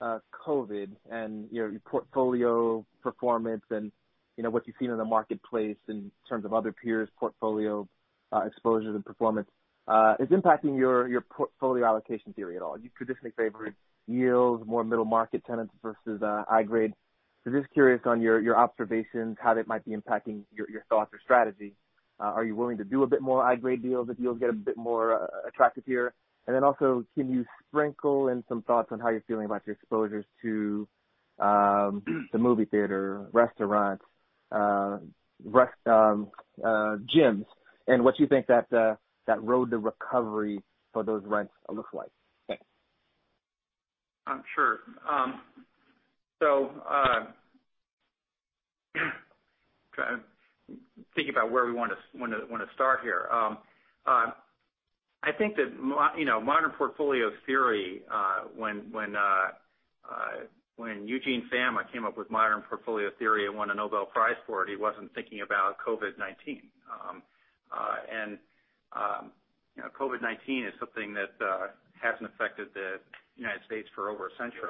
Speaker 10: COVID-19 and your portfolio performance and what you've seen in the marketplace in terms of other peers' portfolio exposure to performance is impacting your portfolio allocation theory at all. You've traditionally favored yields, more middle-market tenants versus high grade. Just curious on your observations, how that might be impacting your thoughts or strategy. Are you willing to do a bit more high-grade deals if yields get a bit more attractive here? Also, can you sprinkle in some thoughts on how you're feeling about your exposures to the movie theater, restaurants, gyms, and what you think that road to recovery for those rents looks like? Thanks.
Speaker 3: Sure. Thinking about where we want to start here. I think that modern portfolio theory when Eugene Fama came up with modern portfolio theory and won a Nobel Prize for it, he wasn't thinking about COVID-19. COVID-19 is something that hasn't affected the United States for over a century.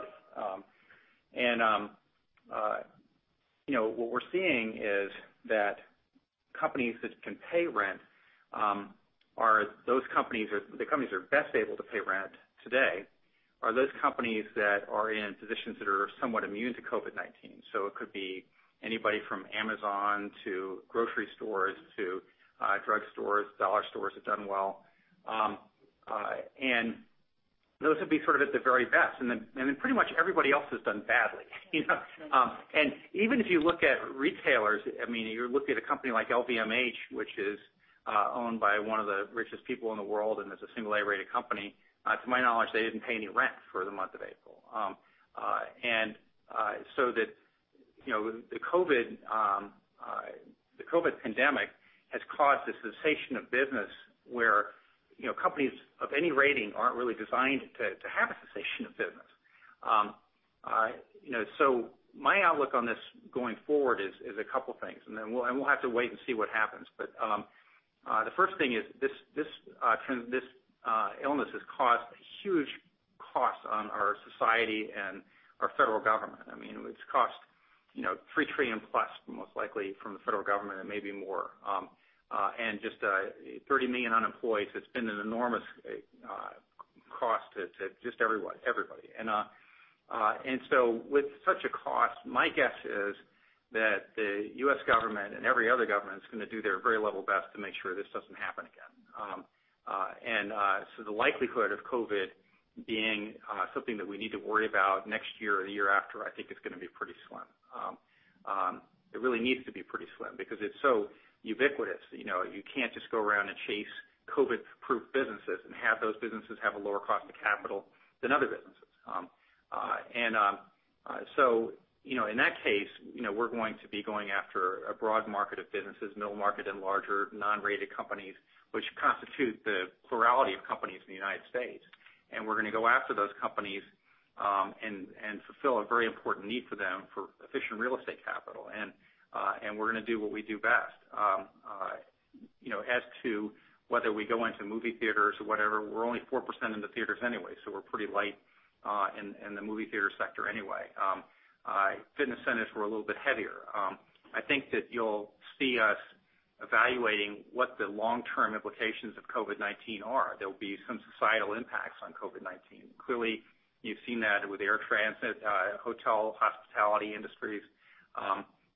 Speaker 3: What we're seeing is that companies that can pay rent are the companies that are best able to pay rent today, are those companies that are in positions that are somewhat immune to COVID-19. It could be anybody from Amazon to grocery stores to drug stores. Dollar stores have done well. Those would be sort of at the very best, then pretty much everybody else has done badly. Even if you look at retailers, you're looking at a company like LVMH, which is owned by one of the richest people in the world, and it's a A-rated company. To my knowledge, they didn't pay any rent for the month of April. The COVID pandemic has caused a cessation of business where companies of any rating aren't really designed to have a cessation of business. My outlook on this going forward is a couple things, and then we'll have to wait and see what happens. The first thing is this illness has caused huge costs on our society and our federal government. It's cost $3 trillion-plus, most likely, from the federal government and maybe more. Just 30 million unemployed, so it's been an enormous cost to just everybody. With such a cost, my guess is that the U.S. government and every other government is going to do their very level best to make sure this doesn't happen again. The likelihood of COVID being something that we need to worry about next year or the year after, I think is going to be pretty slim. It really needs to be pretty slim because it's so ubiquitous. You can't just go around and chase COVID-proof businesses and have those businesses have a lower cost of capital than other businesses. In that case, we're going to be going after a broad market of businesses, middle market, and larger non-rated companies, which constitute the plurality of companies in the United States. We're going to go after those companies and fulfill a very important need for them for efficient real estate capital. We're going to do what we do best. Whether we go into movie theaters or whatever, we're only 4% in the theaters anyway, so we're pretty light in the movie theater sector anyway. Fitness centers were a little bit heavier. I think that you'll see us evaluating what the long-term implications of COVID-19 are. There'll be some societal impacts on COVID-19. Clearly, you've seen that with air transit, hotel, hospitality industries.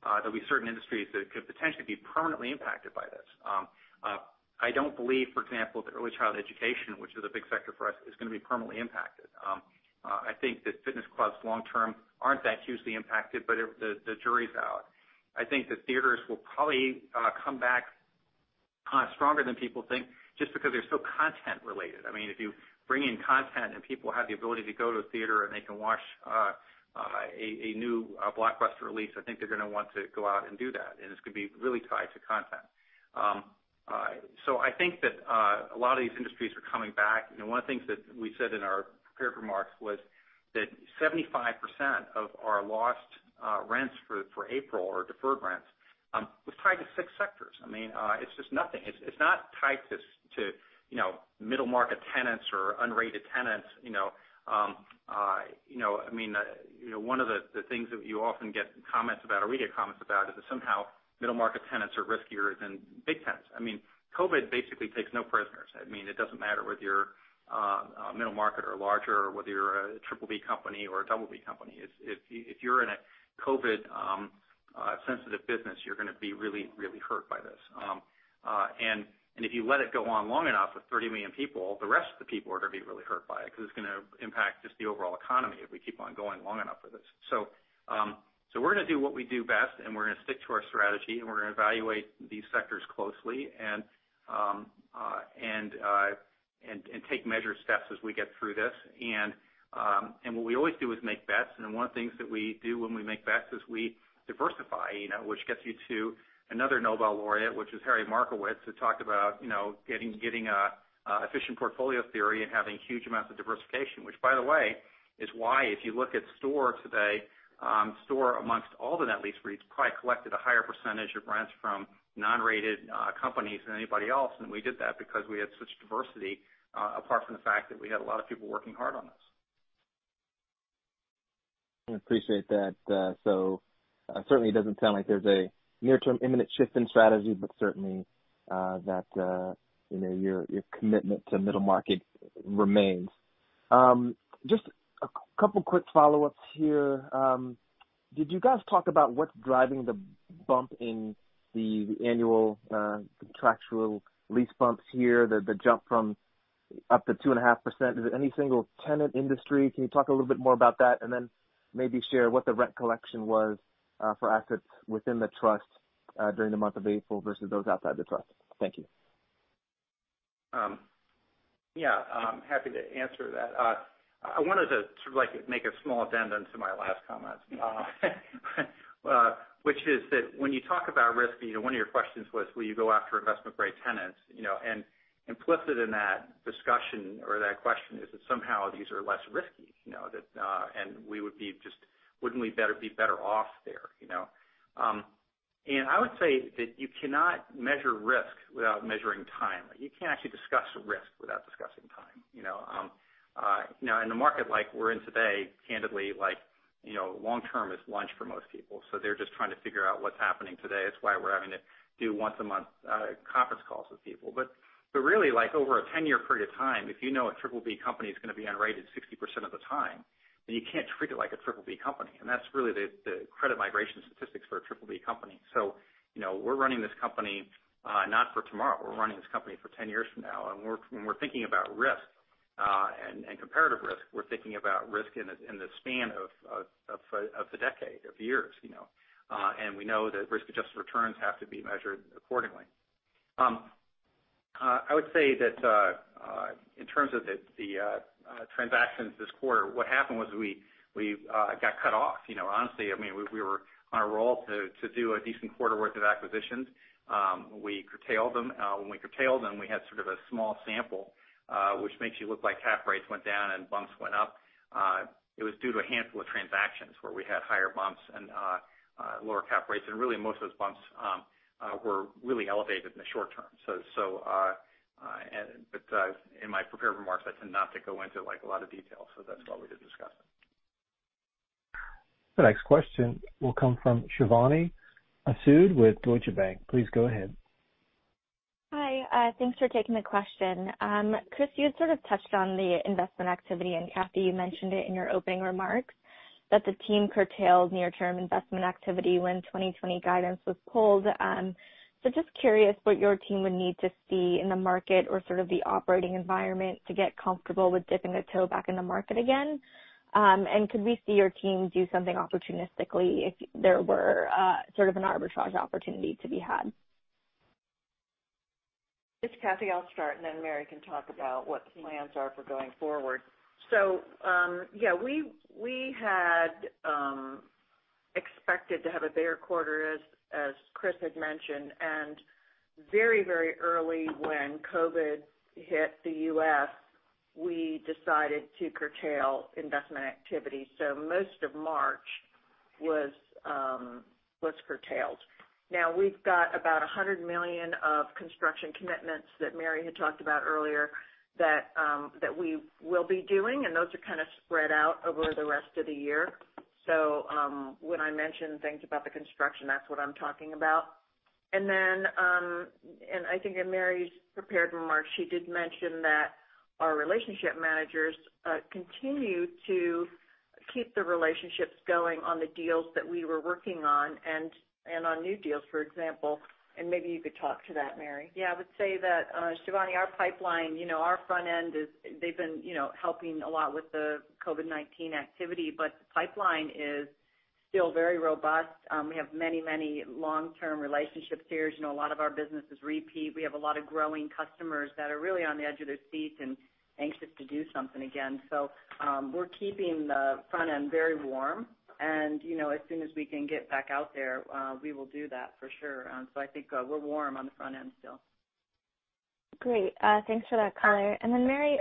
Speaker 3: There'll be certain industries that could potentially be permanently impacted by this. I don't believe, for example, that early child education, which is a big sector for us, is going to be permanently impacted. I think that fitness clubs long term aren't that hugely impacted, but the jury's out. I think the theaters will probably come back stronger than people think just because they're so content related. If you bring in content and people have the ability to go to a theater and they can watch a new blockbuster release, I think they're going to want to go out and do that, and it's going to be really tied to content. I think that a lot of these industries are coming back. One of the things that we said in our prepared remarks was that 75% of our lost rents for April, or deferred rents, was tied to six sectors. It's just nothing. It's not tied to middle-market tenants or unrated tenants. One of the things that you often get comments about or read comments about is that somehow middle-market tenants are riskier than big tenants. COVID basically takes no prisoners. It doesn't matter whether you're a middle market or larger or whether you're a BBB company or a BB company. If you're in a COVID-sensitive business, you're going to be really, really hurt by this. If you let it go on long enough with 30 million people, the rest of the people are going to be really hurt by it because it's going to impact just the overall economy if we keep on going long enough with this. We're going to do what we do best, and we're going to stick to our strategy, and we're going to evaluate these sectors closely and take measured steps as we get through this. What we always do is make bets, and then one of the things that we do when we make bets is we diversify, which gets you to another Nobel laureate, which is Harry Markowitz, who talked about getting efficient portfolio theory and having huge amounts of diversification. By the way, is why if you look at STORE today, STORE amongst all the net lease REITs, probably collected a higher percentage of rents from non-rated companies than anybody else. We did that because we had such diversity, apart from the fact that we had a lot of people working hard on this.
Speaker 10: I appreciate that. Certainly doesn't sound like there's a near-term imminent shift in strategy, but certainly that your commitment to middle market remains. Just a couple quick follow-ups here. Did you guys talk about what's driving the bump in the annual contractual lease bumps here, the jump from up to 2.5%? Is it any single tenant industry? Can you talk a little more about that, and then maybe share what the rent collection was for assets within the trust during the month of April versus those outside the trust? Thank you.
Speaker 3: Yeah. Happy to answer that. I wanted to sort of make a small addendum to my last comment. When you talk about risk, one of your questions was, will you go after investment-grade tenants? Implicit in that discussion or that question is that somehow these are less risky, and wouldn't we be better off there? I would say that you cannot measure risk without measuring time. You can't actually discuss risk without discussing time. In a market like we're in today, candidly, long term is lunch for most people. They're just trying to figure out what's happening today. That's why we're having to do once-a-month conference calls with people. Really, over a 10-year period of time, if you know a BBB company is going to be unrated 60% of the time, then you can't treat it like a BBB company. That's really the credit migration statistics for a BBB company. We're running this company not for tomorrow. We're running this company for 10 years from now. When we're thinking about risk and comparative risk. We're thinking about risk in the span of the decade of years. We know that risk-adjusted returns have to be measured accordingly. I would say that in terms of the transactions this quarter, what happened was we got cut off. Honestly, we were on a roll to do a decent quarter worth of acquisitions. We curtailed them. When we curtailed them, we had sort of a small sample, which makes you look like cap rates went down and bumps went up. It was due to a handful of transactions where we had higher bumps and lower cap rates. Really most of those bumps were really elevated in the short term. In my prepared remarks, I tend not to go into a lot of detail, so that's why we didn't discuss it.
Speaker 1: The next question will come from Shivani Sood with Deutsche Bank. Please go ahead.
Speaker 11: Hi. Thanks for taking the question. Chris, you had sort of touched on the investment activity, and Cathy, you mentioned it in your opening remarks, that the team curtailed near-term investment activity when 2020 guidance was pulled. Just curious what your team would need to see in the market or sort of the operating environment to get comfortable with dipping a toe back in the market again. Could we see your team do something opportunistically if there were sort of an arbitrage opportunity to be had?
Speaker 5: This is Cathy. I'll start, and then Mary can talk about what the plans are for going forward. Yeah, we had expected to have a better quarter, as Chris had mentioned, and very early when COVID hit the U.S., we decided to curtail investment activity. Most of March was curtailed. Now, we've got about $100 million of construction commitments that Mary had talked about earlier that we will be doing, and those are kind of spread out over the rest of the year. When I mention things about the construction, that's what I'm talking about. I think in Mary's prepared remarks, she did mention that our relationship managers continue to keep the relationships going on the deals that we were working on and on new deals, for example. Maybe you could talk to that, Mary.
Speaker 4: I would say that, Shivani, our pipeline, our front end is they've been helping a lot with the COVID-19 activity, but the pipeline is still very robust. We have many long-term relationship tiers. A lot of our business is repeat. We have a lot of growing customers that are really on the edge of their seats and anxious to do something again. We're keeping the front end very warm, and as soon as we can get back out there, we will do that for sure. I think we're warm on the front end still.
Speaker 11: Great. Thanks for that color. Mary,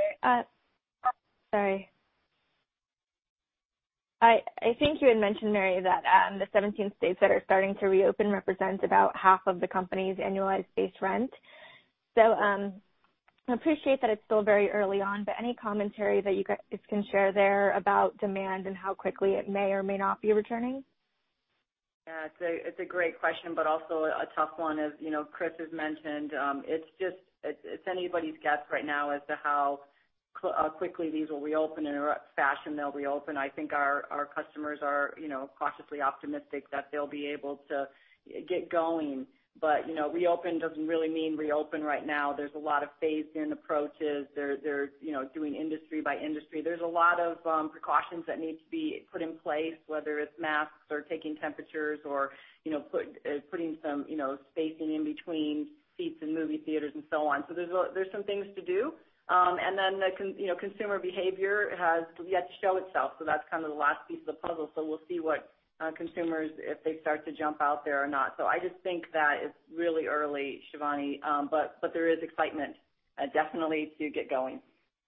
Speaker 11: sorry. I think you had mentioned, Mary, that the 17 states that are starting to reopen represent about half of the company's annualized base rent. I appreciate that it's still very early on, but any commentary that you guys can share there about demand and how quickly it may or may not be returning?
Speaker 4: Yeah. It's a great question, but also a tough one. As Chris has mentioned, it's anybody's guess right now as to how quickly these will reopen, in what fashion they'll reopen. I think our customers are cautiously optimistic that they'll be able to get going. Reopen doesn't really mean reopen right now. There's a lot of phase-in approaches. They're doing industry by industry. There's a lot of precautions that need to be put in place, whether it's masks or taking temperatures or putting some spacing in between seats in movie theaters and so on. There's some things to do. Then the consumer behavior has yet to show itself, so that's kind of the last piece of the puzzle. We'll see what consumers, if they start to jump out there or not. I just think that it's really early, Shivani, but there is excitement definitely to get going.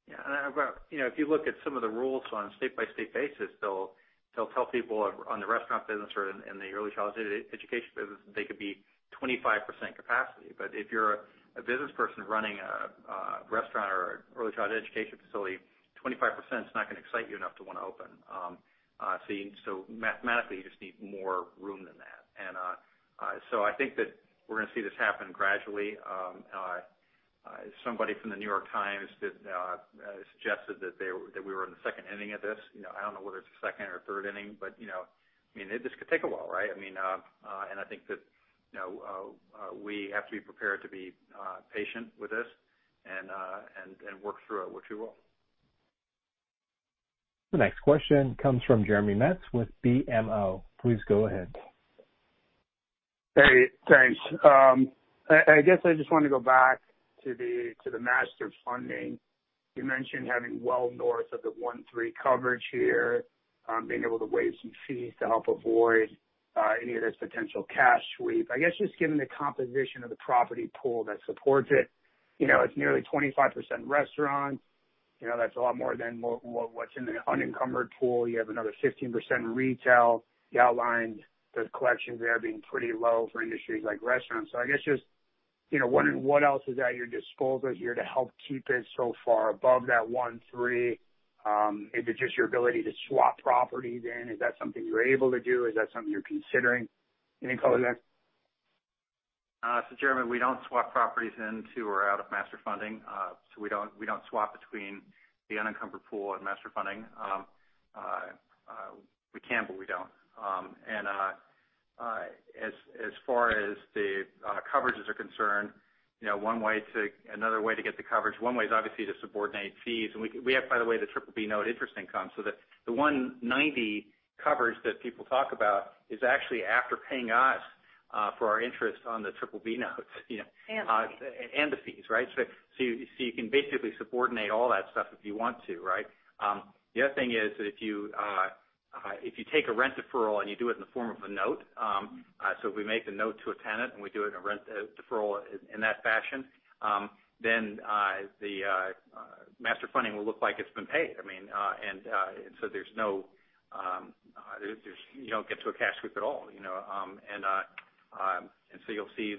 Speaker 3: Yeah. If you look at some of the rules on a state-by-state basis, they'll tell people on the restaurant business or in the early childhood education business that they could be 25% capacity. If you're a business person running a restaurant or early childhood education facility, 25% is not going to excite you enough to want to open. Mathematically, you just need more room than that. I think that we're going to see this happen gradually. Somebody from The New York Times suggested that we were in the second inning of this. I don't know whether it's the second or third inning, but this could take a while, right? I think that we have to be prepared to be patient with this and work through it, which we will.
Speaker 1: The next question comes from Jeremy Metz with BMO. Please go ahead.
Speaker 12: Hey, thanks. I guess I just want to go back to the master funding. You mentioned having well north of the 1.3 coverage here, being able to waive some fees to help avoid any of this potential cash sweep. I guess just given the composition of the property pool that supports it's nearly 25% restaurant. That's a lot more than what's in the unencumbered pool. You have another 15% in retail. You outlined the collections there being pretty low for industries like restaurants. I guess just wondering what else is at your disposal here to help keep it so far above that 1.3. If it's just your ability to swap properties in, is that something you're able to do? Is that something you're considering in any capacity?
Speaker 3: Jeremy, we don't swap properties into or out of master funding. We don't swap between the unencumbered pool and master funding. We can, but we don't. As far as the coverages are concerned, another way to get the coverage, one way is obviously to subordinate fees. We have, by the way, the BBB note interest income, so the 190 coverage that people talk about is actually after paying us for our interest on the BBB notes and the fees. You can basically subordinate all that stuff if you want to. The other thing is that if you take a rent deferral and you do it in the form of a note, so if we make the note to a tenant and we do it in a rent deferral in that fashion, then the Master Funding will look like it's been paid. You don't get to a cash sweep at all. You'll see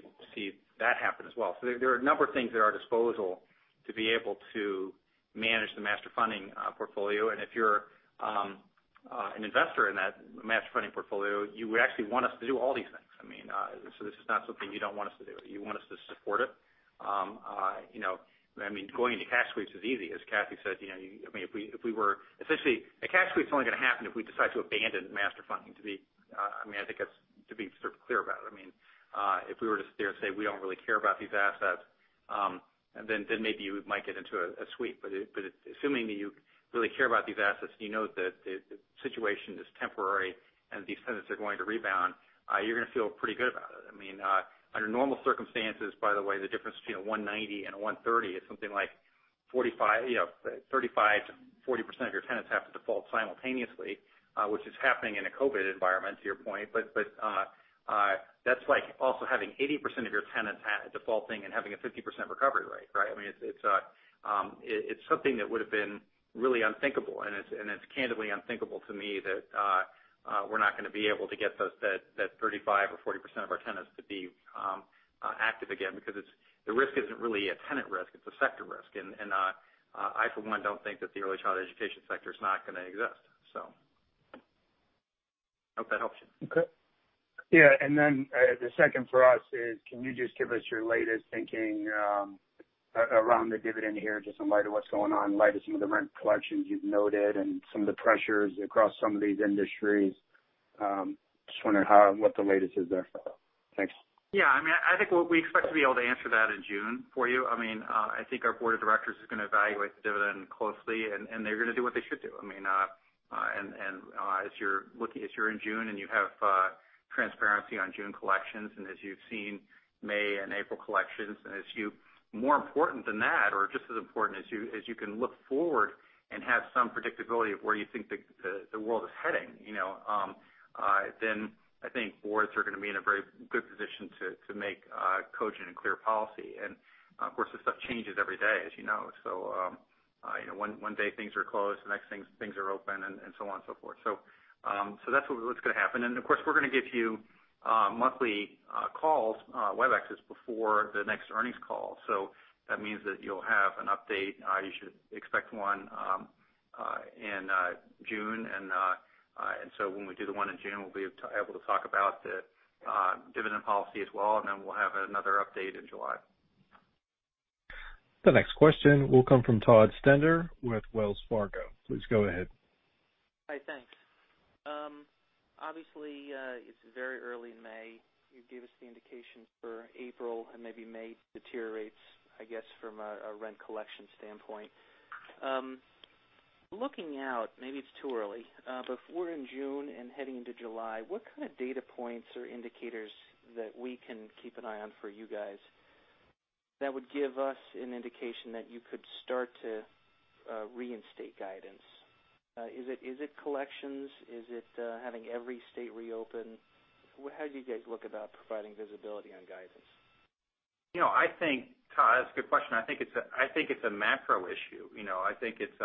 Speaker 3: that happen as well. There are a number of things at our disposal to be able to manage the Master Funding portfolio. If you're an investor in that Master Funding portfolio, you would actually want us to do all these things. This is not something you don't want us to do. You want us to support it. Going into cash sweeps is easy, as Cathy said. A cash sweep's only going to happen if we decide to abandon master funding, I think to be sort of clear about it. If we were to sit here and say, we don't really care about these assets, then maybe you might get into a sweep. Assuming that you really care about these assets, you know that the situation is temporary and these tenants are going to rebound, you're going to feel pretty good about it. Under normal circumstances, by the way, the difference between a 190 and a 130 is something like 35%-40% of your tenants have to default simultaneously, which is happening in a COVID-19 environment, to your point. That's like also having 80% of your tenants defaulting and having a 50% recovery rate. It's something that would've been really unthinkable. It's candidly unthinkable to me that we're not going to be able to get that 35% or 40% of our tenants to be active again, because the risk isn't really a tenant risk, it's a sector risk. I, for one, don't think that the early child education sector's not going to exist. Hope that helps you.
Speaker 12: Okay. Yeah, the second for us is can you just give us your latest thinking around the dividend here, just in light of what's going on, in light of some of the rent collections you've noted and some of the pressures across some of these industries? Just wondering what the latest is there for that? Thanks.
Speaker 3: Yeah, I think what we expect to be able to answer that in June for you. I think our Board of Directors is going to evaluate the dividend closely, and they're going to do what they should do. As you're in June and you have transparency on June collections, and as you've seen May and April collections. More important than that, or just as important as you can look forward and have some predictability of where you think the world is heading, then I think boards are going to be in a very good position to make cogent and clear policy. Of course, this stuff changes every day, as you know. One day things are closed, the next things are open, and so on and so forth. That's what's going to happen. Of course, we're going to give you monthly calls, Webexes, before the next earnings call. That means that you'll have an update. You should expect one in June. When we do the one in June, we'll be able to talk about the dividend policy as well, then we'll have another update in July.
Speaker 1: The next question will come from Todd Stender with Wells Fargo. Please go ahead.
Speaker 13: Hi. Thanks. Obviously, it's very early in May. You gave us the indication for April and maybe May deteriorates, I guess, from a rent collection standpoint. Looking out, maybe it's too early. If we're in June and heading into July, what kind of data points or indicators that we can keep an eye on for you guys that would give us an indication that you could start to reinstate guidance? Is it collections? Is it having every state reopen? How do you guys look about providing visibility on guidance?
Speaker 3: Todd, that's a good question. I think it's a macro issue. I think it's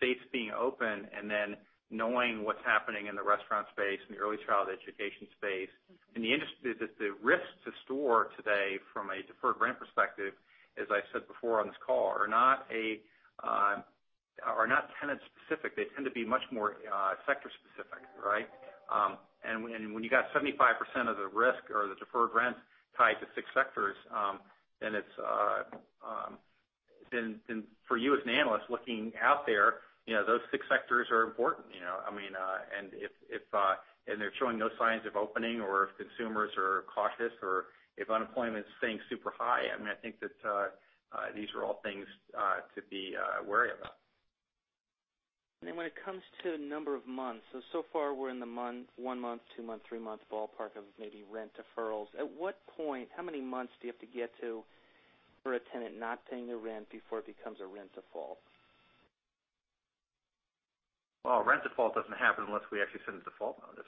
Speaker 3: states being open and then knowing what's happening in the restaurant space, in the early child education space, and the risks to STORE today from a deferred rent perspective, as I said before on this call, are not tenant specific. They tend to be much more sector specific. When you got 75% of the risk or the deferred rent tied to six sectors, then for you as an analyst looking out there, those six sectors are important. If they're showing no signs of opening or if consumers are cautious or if unemployment's staying super high, I think that these are all things to be wary about.
Speaker 13: When it comes to number of months, so far we're in the one month, two month, three month ballpark of maybe rent deferrals. At what point, how many months do you have to get to for a tenant not paying the rent before it becomes a rent default?
Speaker 3: Well, a rent default doesn't happen unless we actually send a default notice.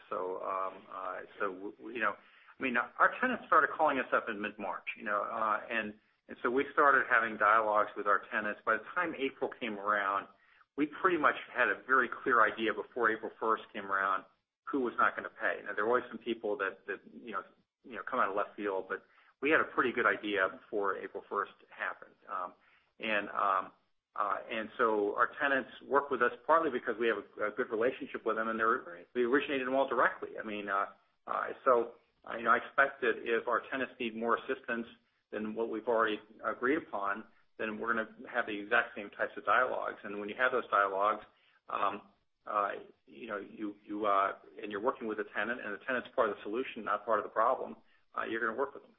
Speaker 3: Our tenants started calling us up in mid-March. We started having dialogues with our tenants. By the time April came around, we pretty much had a very clear idea before April 1st came around who was not going to pay. Now, there are always some people that come out of left field, but we had a pretty good idea before April 1st happened. Our tenants work with us partly because we have a good relationship with them, and we originated them all directly. I expect that if our tenants need more assistance than what we've already agreed upon, then we're going to have the exact same types of dialogues. When you have those dialogues and you're working with a tenant, and the tenant's part of the solution, not part of the problem, you're going to work with them.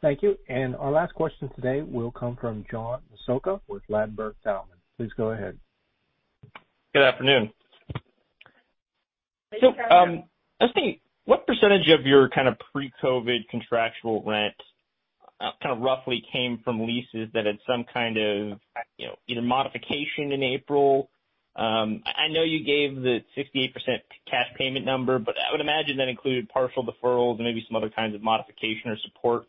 Speaker 1: Thank you. Our last question today will come from John Massocca with Ladenburg Thalmann. Please go ahead.
Speaker 14: Good afternoon. I was thinking, what percentage of your pre-COVID contractual rent roughly came from leases that had some kind of either modification in April? I know you gave the 68% cash payment number, but I would imagine that included partial deferrals and maybe some other kinds of modification or support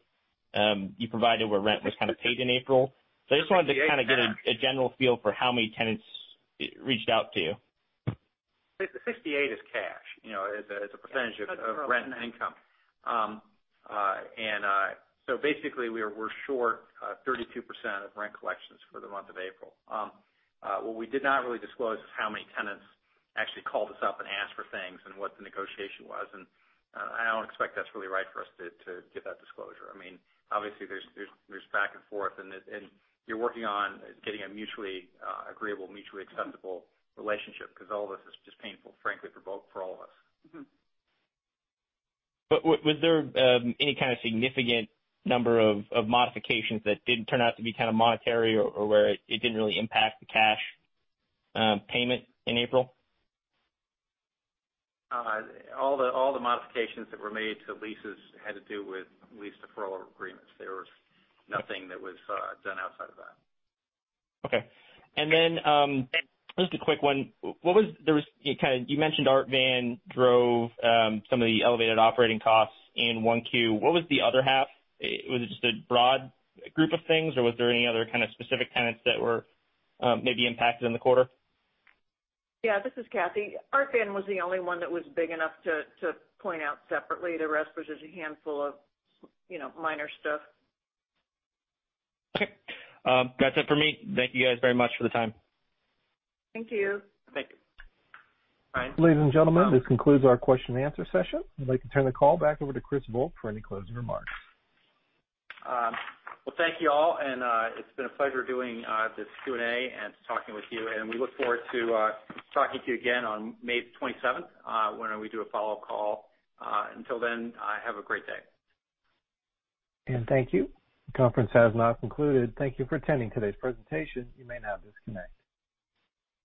Speaker 14: you provided where rent was kind of paid in April. I just wanted to kind of get a general feel for how many tenants reached out to you.
Speaker 3: 68% is cash, as a percentage of rent and income. Basically, we're short 32% of rent collections for the month of April. What we did not really disclose is how many tenants actually called us up and asked for things and what the negotiation was, and I don't expect that's really right for us to give that disclosure. Obviously, there's back and forth, and you're working on getting a mutually agreeable, mutually acceptable relationship because all of this is just painful, frankly, for all of us.
Speaker 14: Was there any kind of significant number of modifications that didn't turn out to be monetary or where it didn't really impact the cash payment in April?
Speaker 3: All the modifications that were made to leases had to do with lease deferral agreements. There was nothing that was done outside of that.
Speaker 14: Okay. Just a quick one. You mentioned Art Van drove some of the elevated operating costs in 1Q. What was the other half? Was it just a broad group of things, or was there any other kind of specific tenants that were maybe impacted in the quarter?
Speaker 5: Yeah, this is Cathy. Art Van was the only one that was big enough to point out separately. The rest was just a handful of minor stuff.
Speaker 14: Okay. That's it for me. Thank you guys very much for the time.
Speaker 3: Thank you.
Speaker 1: Thank you. Ladies and gentlemen, this concludes our question and answer session. I'd like to turn the call back over to Chris Volk for any closing remarks.
Speaker 3: Well, thank you all, and it's been a pleasure doing this Q&A and talking with you, and we look forward to talking to you again on May 27th, when we do a follow-up call. Until then, have a great day.
Speaker 1: Thank you. The conference has now concluded. Thank you for attending today's presentation. You may now disconnect.